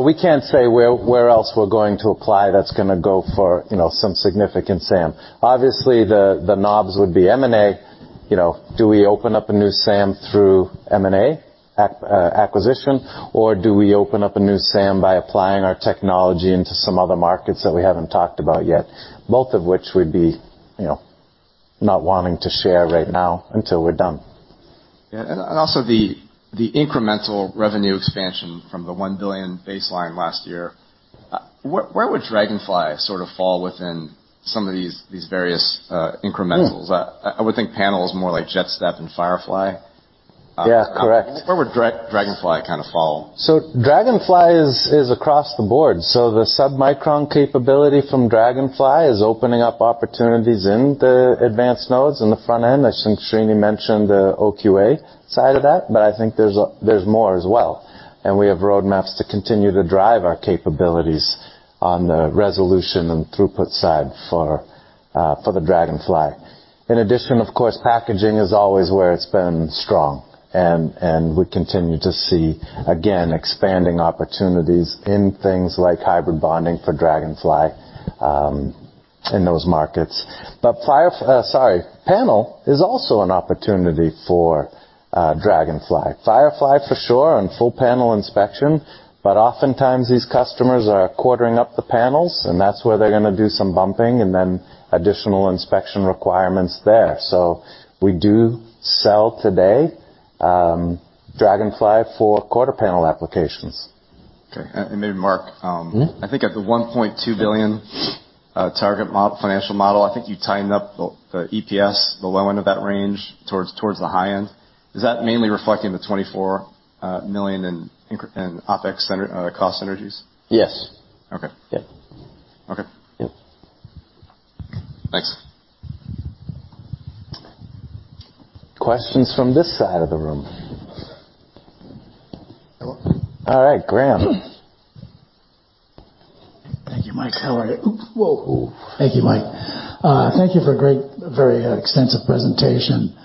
We can't say where else we're going to apply that's gonna go for, you know, some significant SAM. Obviously, the knobs would be M&A. You know, do we open up a new SAM through M&A, acquisition? Do we open up a new SAM by applying our technology into some other markets that we haven't talked about yet, both of which we'd be, you know, not wanting to share right now until we're done. Yeah, also the incremental revenue expansion from the $1 billion baseline last year, where would Dragonfly sort of fall within some of these various incrementals? Hmm. I would think Panel is more like JetStep and Firefly. Yeah, correct. Where would Dragonfly kind of fall? Dragonfly is across the board, so the submicron capability from Dragonfly is opening up opportunities in the advanced nodes in the front end. I think Srini mentioned the OQA side of that, but I think there's more as well, and we have roadmaps to continue to drive our capabilities on the resolution and throughput side for the Dragonfly. In addition, of course, packaging is always where it's been strong, and we continue to see, again, expanding opportunities in things like hybrid bonding for Dragonfly in those markets. Sorry, Panel is also an opportunity for Dragonfly. Firefly, for sure, and full panel inspection, but oftentimes these customers are quartering up the panels, and that's where they're gonna do some bumping and then additional inspection requirements there. We do sell today Dragonfly for quarter panel applications. Okay, and maybe, Mark? Mm-hmm. I think at the $1.2 billion target financial model, I think you tightened up the EPS, the low end of that range, towards the high end. Is that mainly reflecting the $24 million in OpEx center cost synergies? Yes. Okay. Yeah. Okay. Yeah. Thanks. Questions from this side of the room? All right, Graham. Thank you, Mike. How are you? Oops! Whoa. Thank you, Mike. Thank you for a great, very extensive presentation.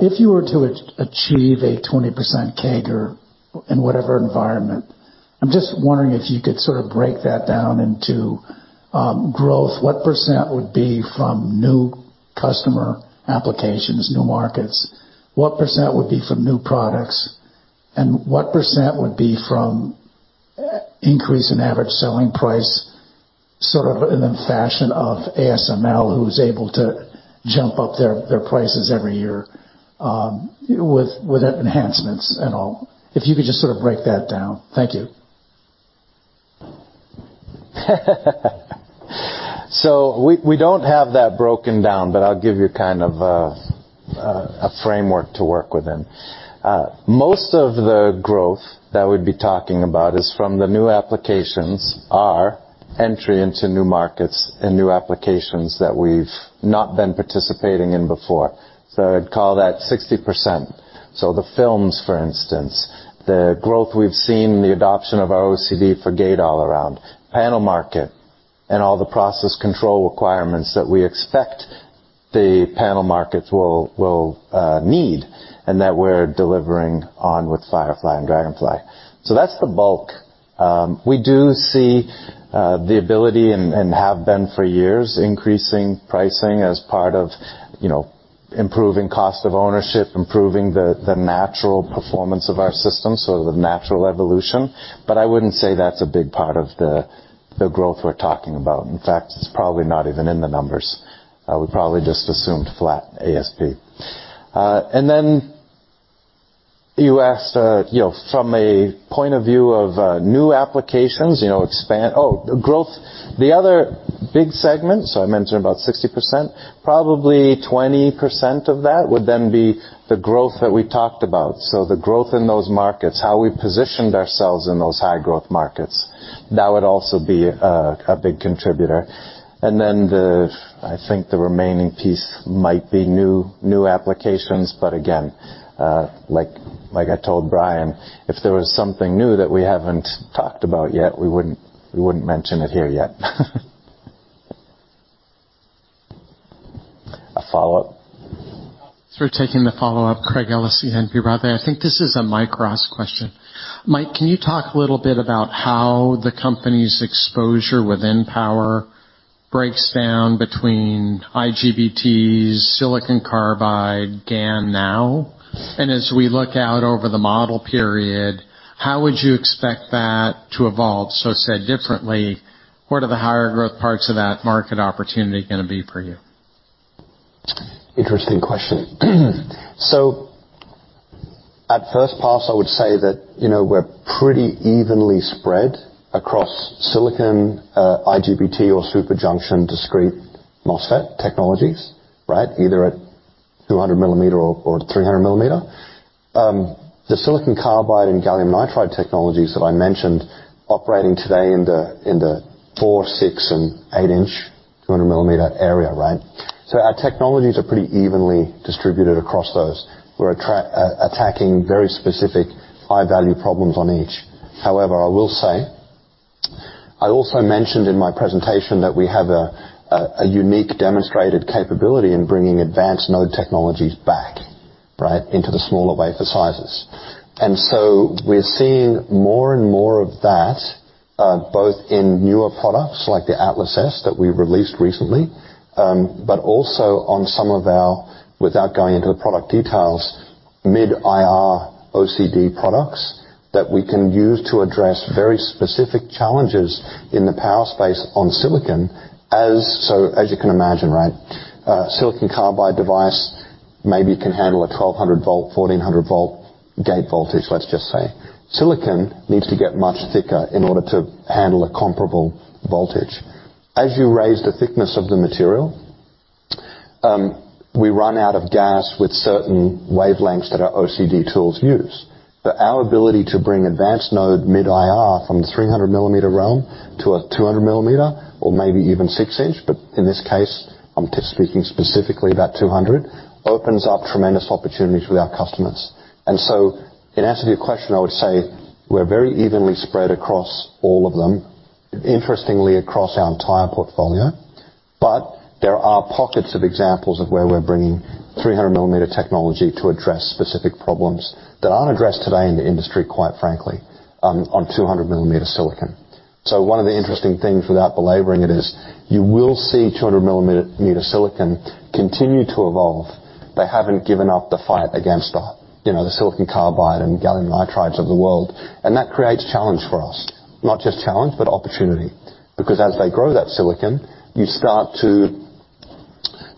If you were to achieve a 20% CAGR in whatever environment, I'm just wondering if you could sort of break that down into growth. What % would be from new customer applications, new markets? What % would be from new products, and what % would be from increase in average selling price, sort of in the fashion of ASML, who's able to jump up their prices every year with enhancements and all? If you could just sort of break that down. Thank you. We don't have that broken down, but I'll give you kind of a framework to work within. Most of the growth that we'd be talking about is from the new applications, our entry into new markets and new applications that we've not been participating in before. I'd call that 60%. The films, for instance, the growth we've seen, the adoption of our OCD for Gate-All-Around, panel market, and all the process control requirements that we expect the panel markets will need, and that we're delivering on with Firefly and Dragonfly. That's the bulk. We do see the ability and have been for years, increasing pricing as part of, you know, improving cost of ownership, improving the natural performance of our system, so the natural evolution. I wouldn't say that's a big part of the growth we're talking about. In fact, it's probably not even in the numbers. We probably just assumed flat ASP. Then you asked, you know, from a point of view of new applications, you know, growth. The other big segment, I mentioned about 60%, probably 20% of that would then be the growth that we talked about. The growth in those markets, how we positioned ourselves in those high-growth markets, that would also be a big contributor. Then the, I think the remaining piece might be new applications, but again, like I told Brian, if there was something new that we haven't talked about yet, we wouldn't, we wouldn't mention it here yet. A follow-up? Sure, taking the follow-up. Craig Ellis, ENP, rather. I think this is a Mike Rosa question. Mike, can you talk a little bit about how the company's exposure within power breaks down between IGBTs, silicon carbide, GAN now? As we look out over the model period, how would you expect that to evolve? Said differently, what are the higher growth parts of that market opportunity going to be for you? Interesting question. At first pass, I would say that, you know, we're pretty evenly spread across silicon, IGBT or super junction, discrete MOSFET technologies, right? Either at 200 mm or 300 mm. The silicon carbide and gallium nitride technologies that I mentioned operating today in the 4 in, 6 in, and 8 in, 200 mm area, right? Our technologies are pretty evenly distributed across those. We're attacking very specific high-value problems on each. However, I will say, I also mentioned in my presentation that we have a unique demonstrated capability in bringing advanced node technologies back, right, into the smaller wafer sizes. We're seeing more and more of that, both in newer products like the Atlas S that we released recently, but also on some of our, without going into the product details, mid-IR OCD products that we can use to address very specific challenges in the power space on silicon. As you can imagine, right, silicon carbide device maybe can handle a 1,200 V, 1,400 V gate voltage, let's just say. Silicon needs to get much thicker in order to handle a comparable voltage. As you raise the thickness of the material, we run out of gas with certain wavelengths that our OCD tools use. Our ability to bring advanced node mid-IR from the 300 mm realm to a 200 mm or maybe even 6 in, but in this case, I'm speaking specifically about 200, opens up tremendous opportunities for our customers. In answer to your question, I would say we're very evenly spread across all of them, interestingly, across our entire portfolio. There are pockets of examples of where we're bringing 300 mm technology to address specific problems that aren't addressed today in the industry, quite frankly, on 200 mm silicon. One of the interesting things, without belaboring it, is you will see 200 mm silicon continue to evolve. They haven't given up the fight against the, you know, the silicon carbide and gallium nitrides of the world, and that creates challenge for us. Not just challenge, but opportunity, because as they grow that silicon,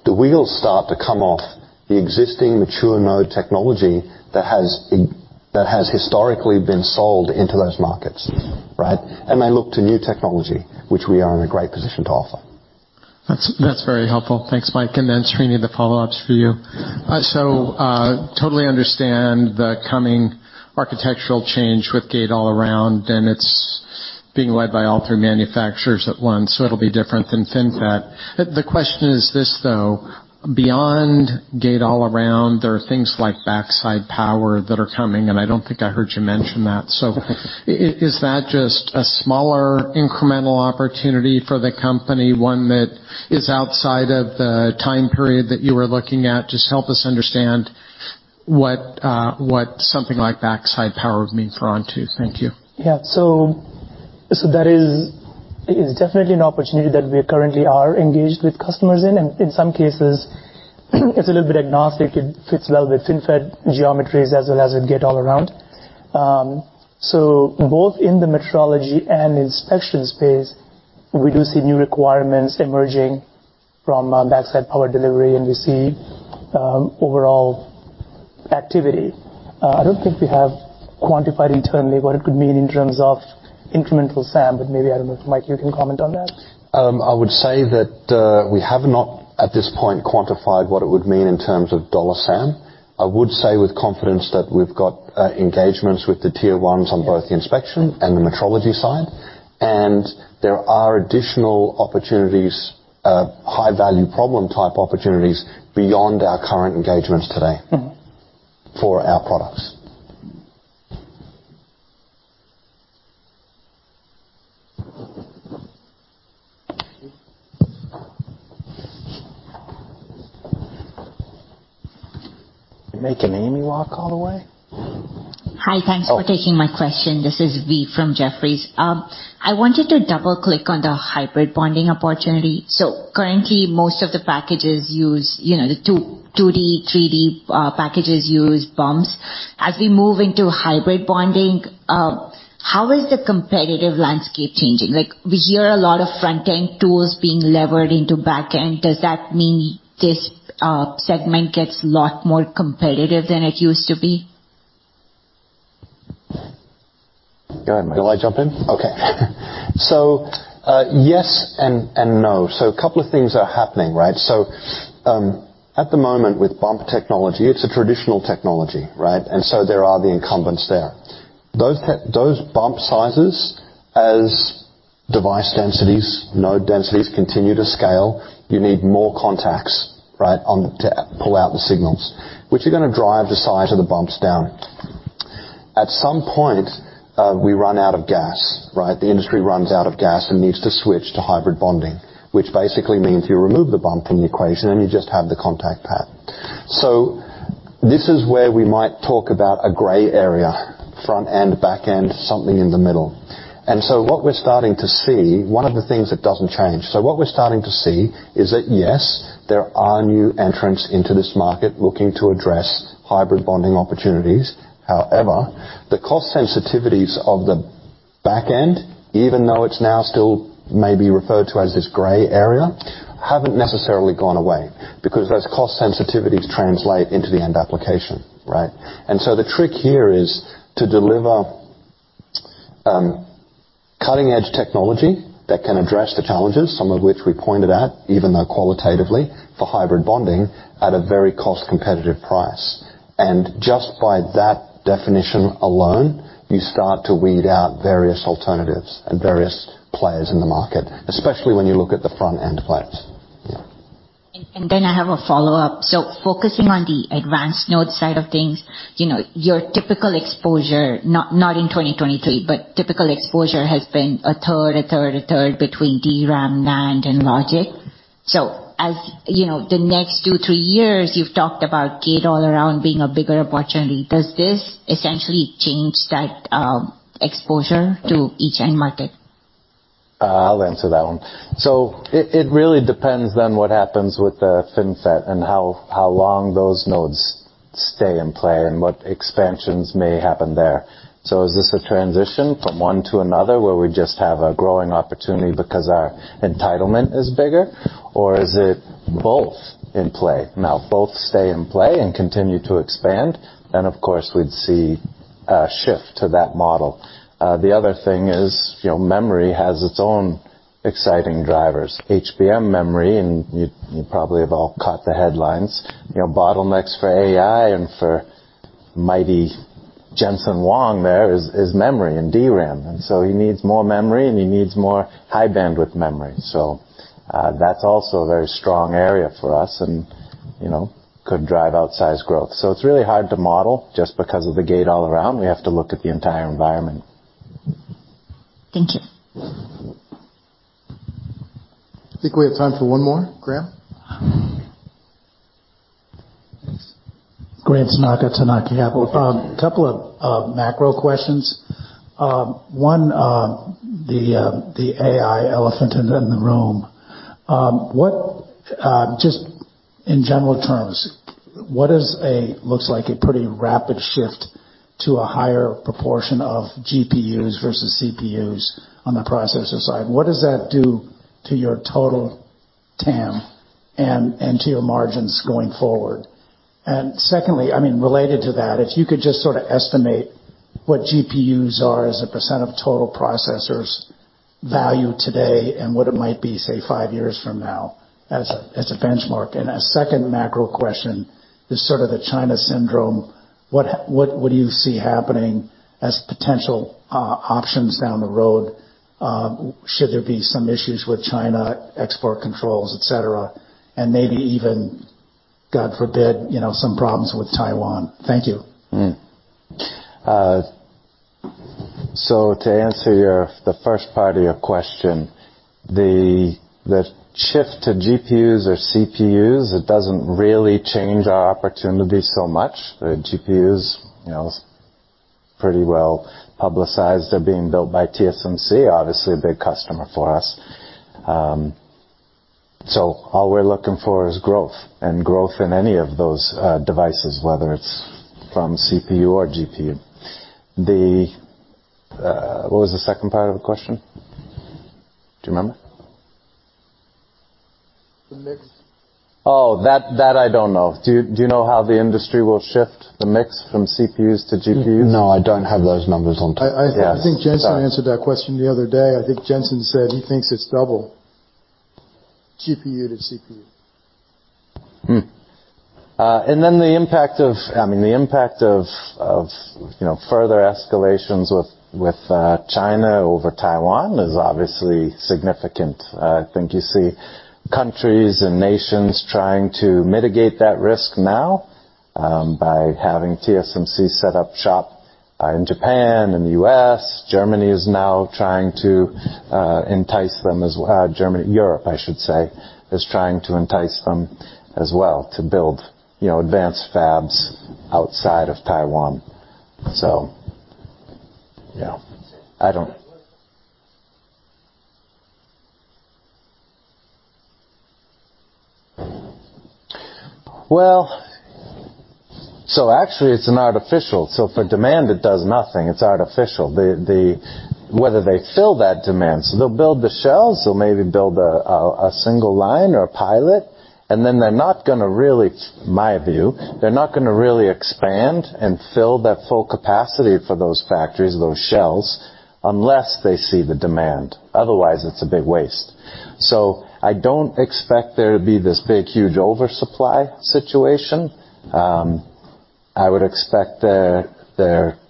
the wheels start to come off the existing mature node technology that has historically been sold into those markets, right? They look to new technology, which we are in a great position to offer. That's very helpful. Thanks, Mike. Srini, the follow-up's for you. Totally understand the coming architectural change with Gate-All-Around, it's being led by all three manufacturers at once, so it'll be different than FinFET. The question is this, though: Beyond Gate-All-Around, there are things like backside power that are coming, and I don't think I heard you mention that. Is that just a smaller incremental opportunity for the company, one that is outside of the time period that you were looking at? Just help us understand what something like backside power would mean for Onto. Thank you. That is definitely an opportunity that we currently are engaged with customers in, and in some cases, it's a little bit agnostic. It fits well with FinFET geometries as well as with Gate-All-Around. Both in the metrology and inspection space, we do see new requirements emerging from backside power delivery, and we see overall activity. I don't think we have quantified internally what it could mean in terms of incremental SAM, but maybe, I don't know, Mike, you can comment on that. I would say that, we have not, at this point, quantified what it would mean in terms of dollar SAM. I would say with confidence that we've got, engagements with the tier ones on both the inspection and the metrology side, there are additional opportunities, high-value problem type opportunities, beyond our current engagements today. Mm-hmm. for our products. Making Amy Shah call away? Hi. Thanks for taking my question. This is Vee from Jefferies. I want you to double-click on the hybrid bonding opportunity. Currently, most of the packages use, you know, the 3D packages use bumps. As we move into hybrid bonding, how is the competitive landscape changing? Like, we hear a lot of front-end tools being levered into back end. Does that mean this segment gets a lot more competitive than it used to be? Go ahead, Mike. Will I jump in? Okay. Yes, and no. A couple of things are happening, right? At the moment, with bump technology, it's a traditional technology, right? There are the incumbents there. Those bump sizes as device densities, node densities continue to scale, you need more contacts, right, on, to pull out the signals, which are going to drive the size of the bumps down. ...At some point, we run out of gas, right? The industry runs out of gas and needs to switch to hybrid bonding, which basically means you remove the bump in the equation, and you just have the contact pad. This is where we might talk about a gray area, front end, back end, something in the middle. What we're starting to see, one of the things that doesn't change. What we're starting to see is that, yes, there are new entrants into this market looking to address hybrid bonding opportunities. However, the cost sensitivities of the back end, even though it's now still may be referred to as this gray area, haven't necessarily gone away, because those cost sensitivities translate into the end application, right? The trick here is to deliver cutting-edge technology that can address the challenges, some of which we pointed out, even though qualitatively, for hybrid bonding at a very cost competitive price. Just by that definition alone, you start to weed out various alternatives and various players in the market, especially when you look at the front-end players. Yeah. I have a follow-up. Focusing on the advanced node side of things, you know, your typical exposure, not in 2023, but typical exposure has been a third, a third, a third between DRAM, NAND, and logic. As you know, the next two, three years, you've talked about Gate-All-Around being a bigger opportunity. Does this essentially change that exposure to each end market? I'll answer that one. It really depends on what happens with the FinFET and how long those nodes stay in play and what expansions may happen there. So is this a transition from one to another, where we just have a growing opportunity because our entitlement is bigger? Or is it both in play? Now, both stay in play and continue to expand, then, of course, we'd see a shift to that model. The other thing is, you know, memory has its own exciting drivers, HBM memory, and you probably have all caught the headlines. You know, bottlenecks for AI and for mighty Jensen Huang, there is memory and DRAM. He needs more memory, and he needs more high bandwidth memory. That's also a very strong area for us and, you know, could drive outsize growth. It's really hard to model just because of the Gate-All-Around. We have to look at the entire environment. Thank you. I think we have time for one more. Graham? Graham Tanaka Capital Management. A couple of macro questions. One, the AI elephant in the room. What, just in general terms, what looks like a pretty rapid shift to a higher proportion of GPUs versus CPUs on the processor side? What does that do to your total TAM and to your margins going forward? Secondly, I mean, related to that, if you could just sort of estimate what GPUs are as a percent of total processors' value today and what it might be, say, five years from now as a benchmark. A second macro question is sort of the China syndrome. What do you see happening as potential options down the road, should there be some issues with China, export controls, et cetera, and maybe even, God forbid, you know, some problems with Taiwan? Thank you. To answer the first part of your question, the shift to GPUs or CPUs, it doesn't really change our opportunity so much. The GPUs, you know, is pretty well-publicized. They're being built by TSMC, obviously a big customer for us. All we're looking for is growth, and growth in any of those devices, whether it's from CPU or GPU. What was the second part of the question? Do you remember? The mix. Oh, that I don't know. Do you know how the industry will shift the mix from CPUs to GPUs? No, I don't have those numbers on top. I think Jensen answered that question the other day. I think Jensen said he thinks it's double GPU to CPU. Then the impact of, I mean, the impact of, you know, further escalations with China over Taiwan is obviously significant. I think you see countries and nations trying to mitigate that risk now, by having TSMC set up shop in Japan and the U.S. Germany is now trying to entice them as Germany, Europe, I should say, is trying to entice them as well to build, you know, advanced fabs outside of Taiwan. Yeah, I don't... Well, actually, it's an artificial. For demand, it does nothing. It's artificial. The whether they fill that demand, they'll build the shells, they'll maybe build a single line or a pilot, and then they're not gonna really, my view, they're not gonna really expand and fill that full capacity for those factories, those shells, unless they see the demand. Otherwise, it's a big waste. I don't expect there to be this big, huge oversupply situation. I would expect there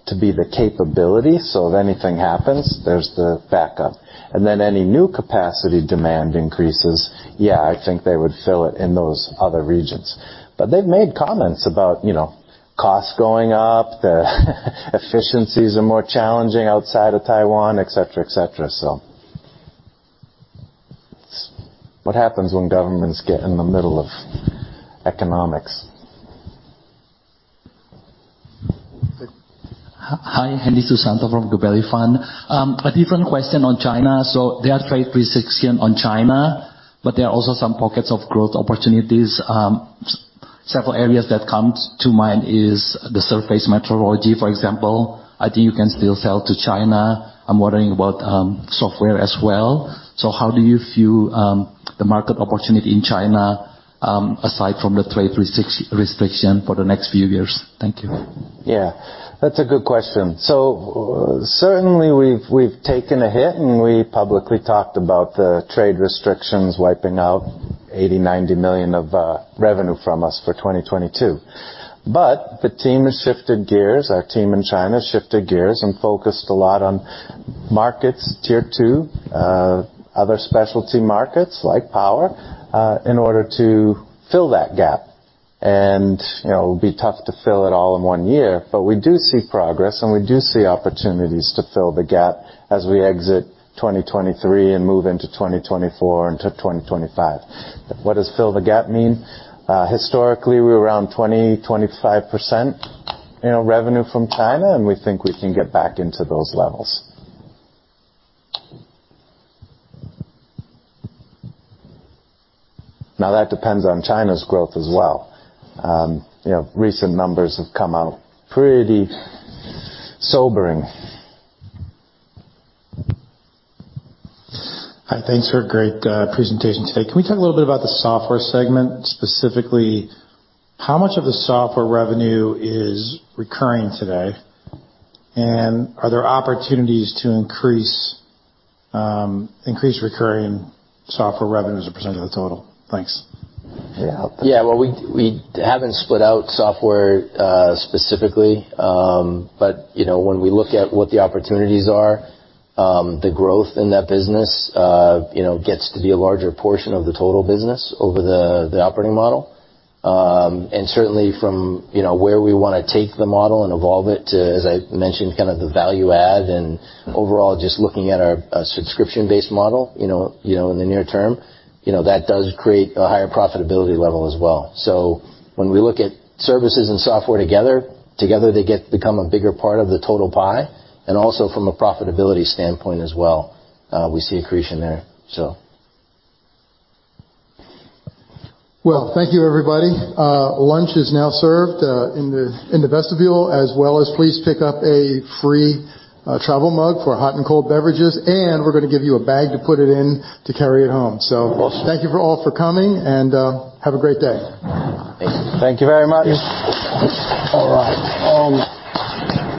to be the capability, so if anything happens, there's the backup. Then any new capacity demand increases, yeah, I think they would fill it in those other regions. They've made comments about, you know, costs going up, the efficiencies are more challenging outside of Taiwan, et cetera, et cetera. What happens when governments get in the middle of economics? Hi, Hendi Susanto from Gabelli Funds. A different question on China. There are trade restrictions on China, but there are also some pockets of growth opportunities. Several areas that come to mind is the surface metrology, for example, I think you can still sell to China. I'm wondering about software as well. How do you view the market opportunity in China, aside from the trade restriction for the next few years? Thank you. Yeah, that's a good question. Certainly, we've taken a hit, and we publicly talked about the trade restrictions wiping out $80 million-$90 million of revenue from us for 2022. The team has shifted gears. Our team in China shifted gears and focused a lot on markets, tier two, other specialty markets, like power, in order to fill that gap. You know, it'll be tough to fill it all in one year, but we do see progress, and we do see opportunities to fill the gap as we exit 2023 and move into 2024 and to 2025. What does fill the gap mean? Historically, we're around 20%-25%, you know, revenue from China, and we think we can get back into those levels. Now, that depends on China's growth as well. You know, recent numbers have come out pretty sobering. Hi, thanks for a great presentation today. Can we talk a little bit about the software segment, specifically, how much of the software revenue is recurring today? Are there opportunities to increase recurring software revenue as a percentage of the total? Thanks. Yeah. Yeah, well, we haven't split out software, specifically, but, you know, when we look at what the opportunities are, the growth in that business, you know, gets to be a larger portion of the total business over the operating model. Certainly from, you know, where we wanna take the model and evolve it to, as I mentioned, kind of the value add and overall, just looking at our, a subscription-based model, you know, in the near term, you know, that does create a higher profitability level as well. When we look at services and software together, they get to become a bigger part of the total pie, and also from a profitability standpoint as well, we see accretion there, so. Well, thank you, everybody. Lunch is now served in the vestibule, as well as please pick up a free travel mug for hot and cold beverages, and we're gonna give you a bag to put it in to carry it home. Thank you for all for coming, and have a great day. Thank you. Thank you very much. All right.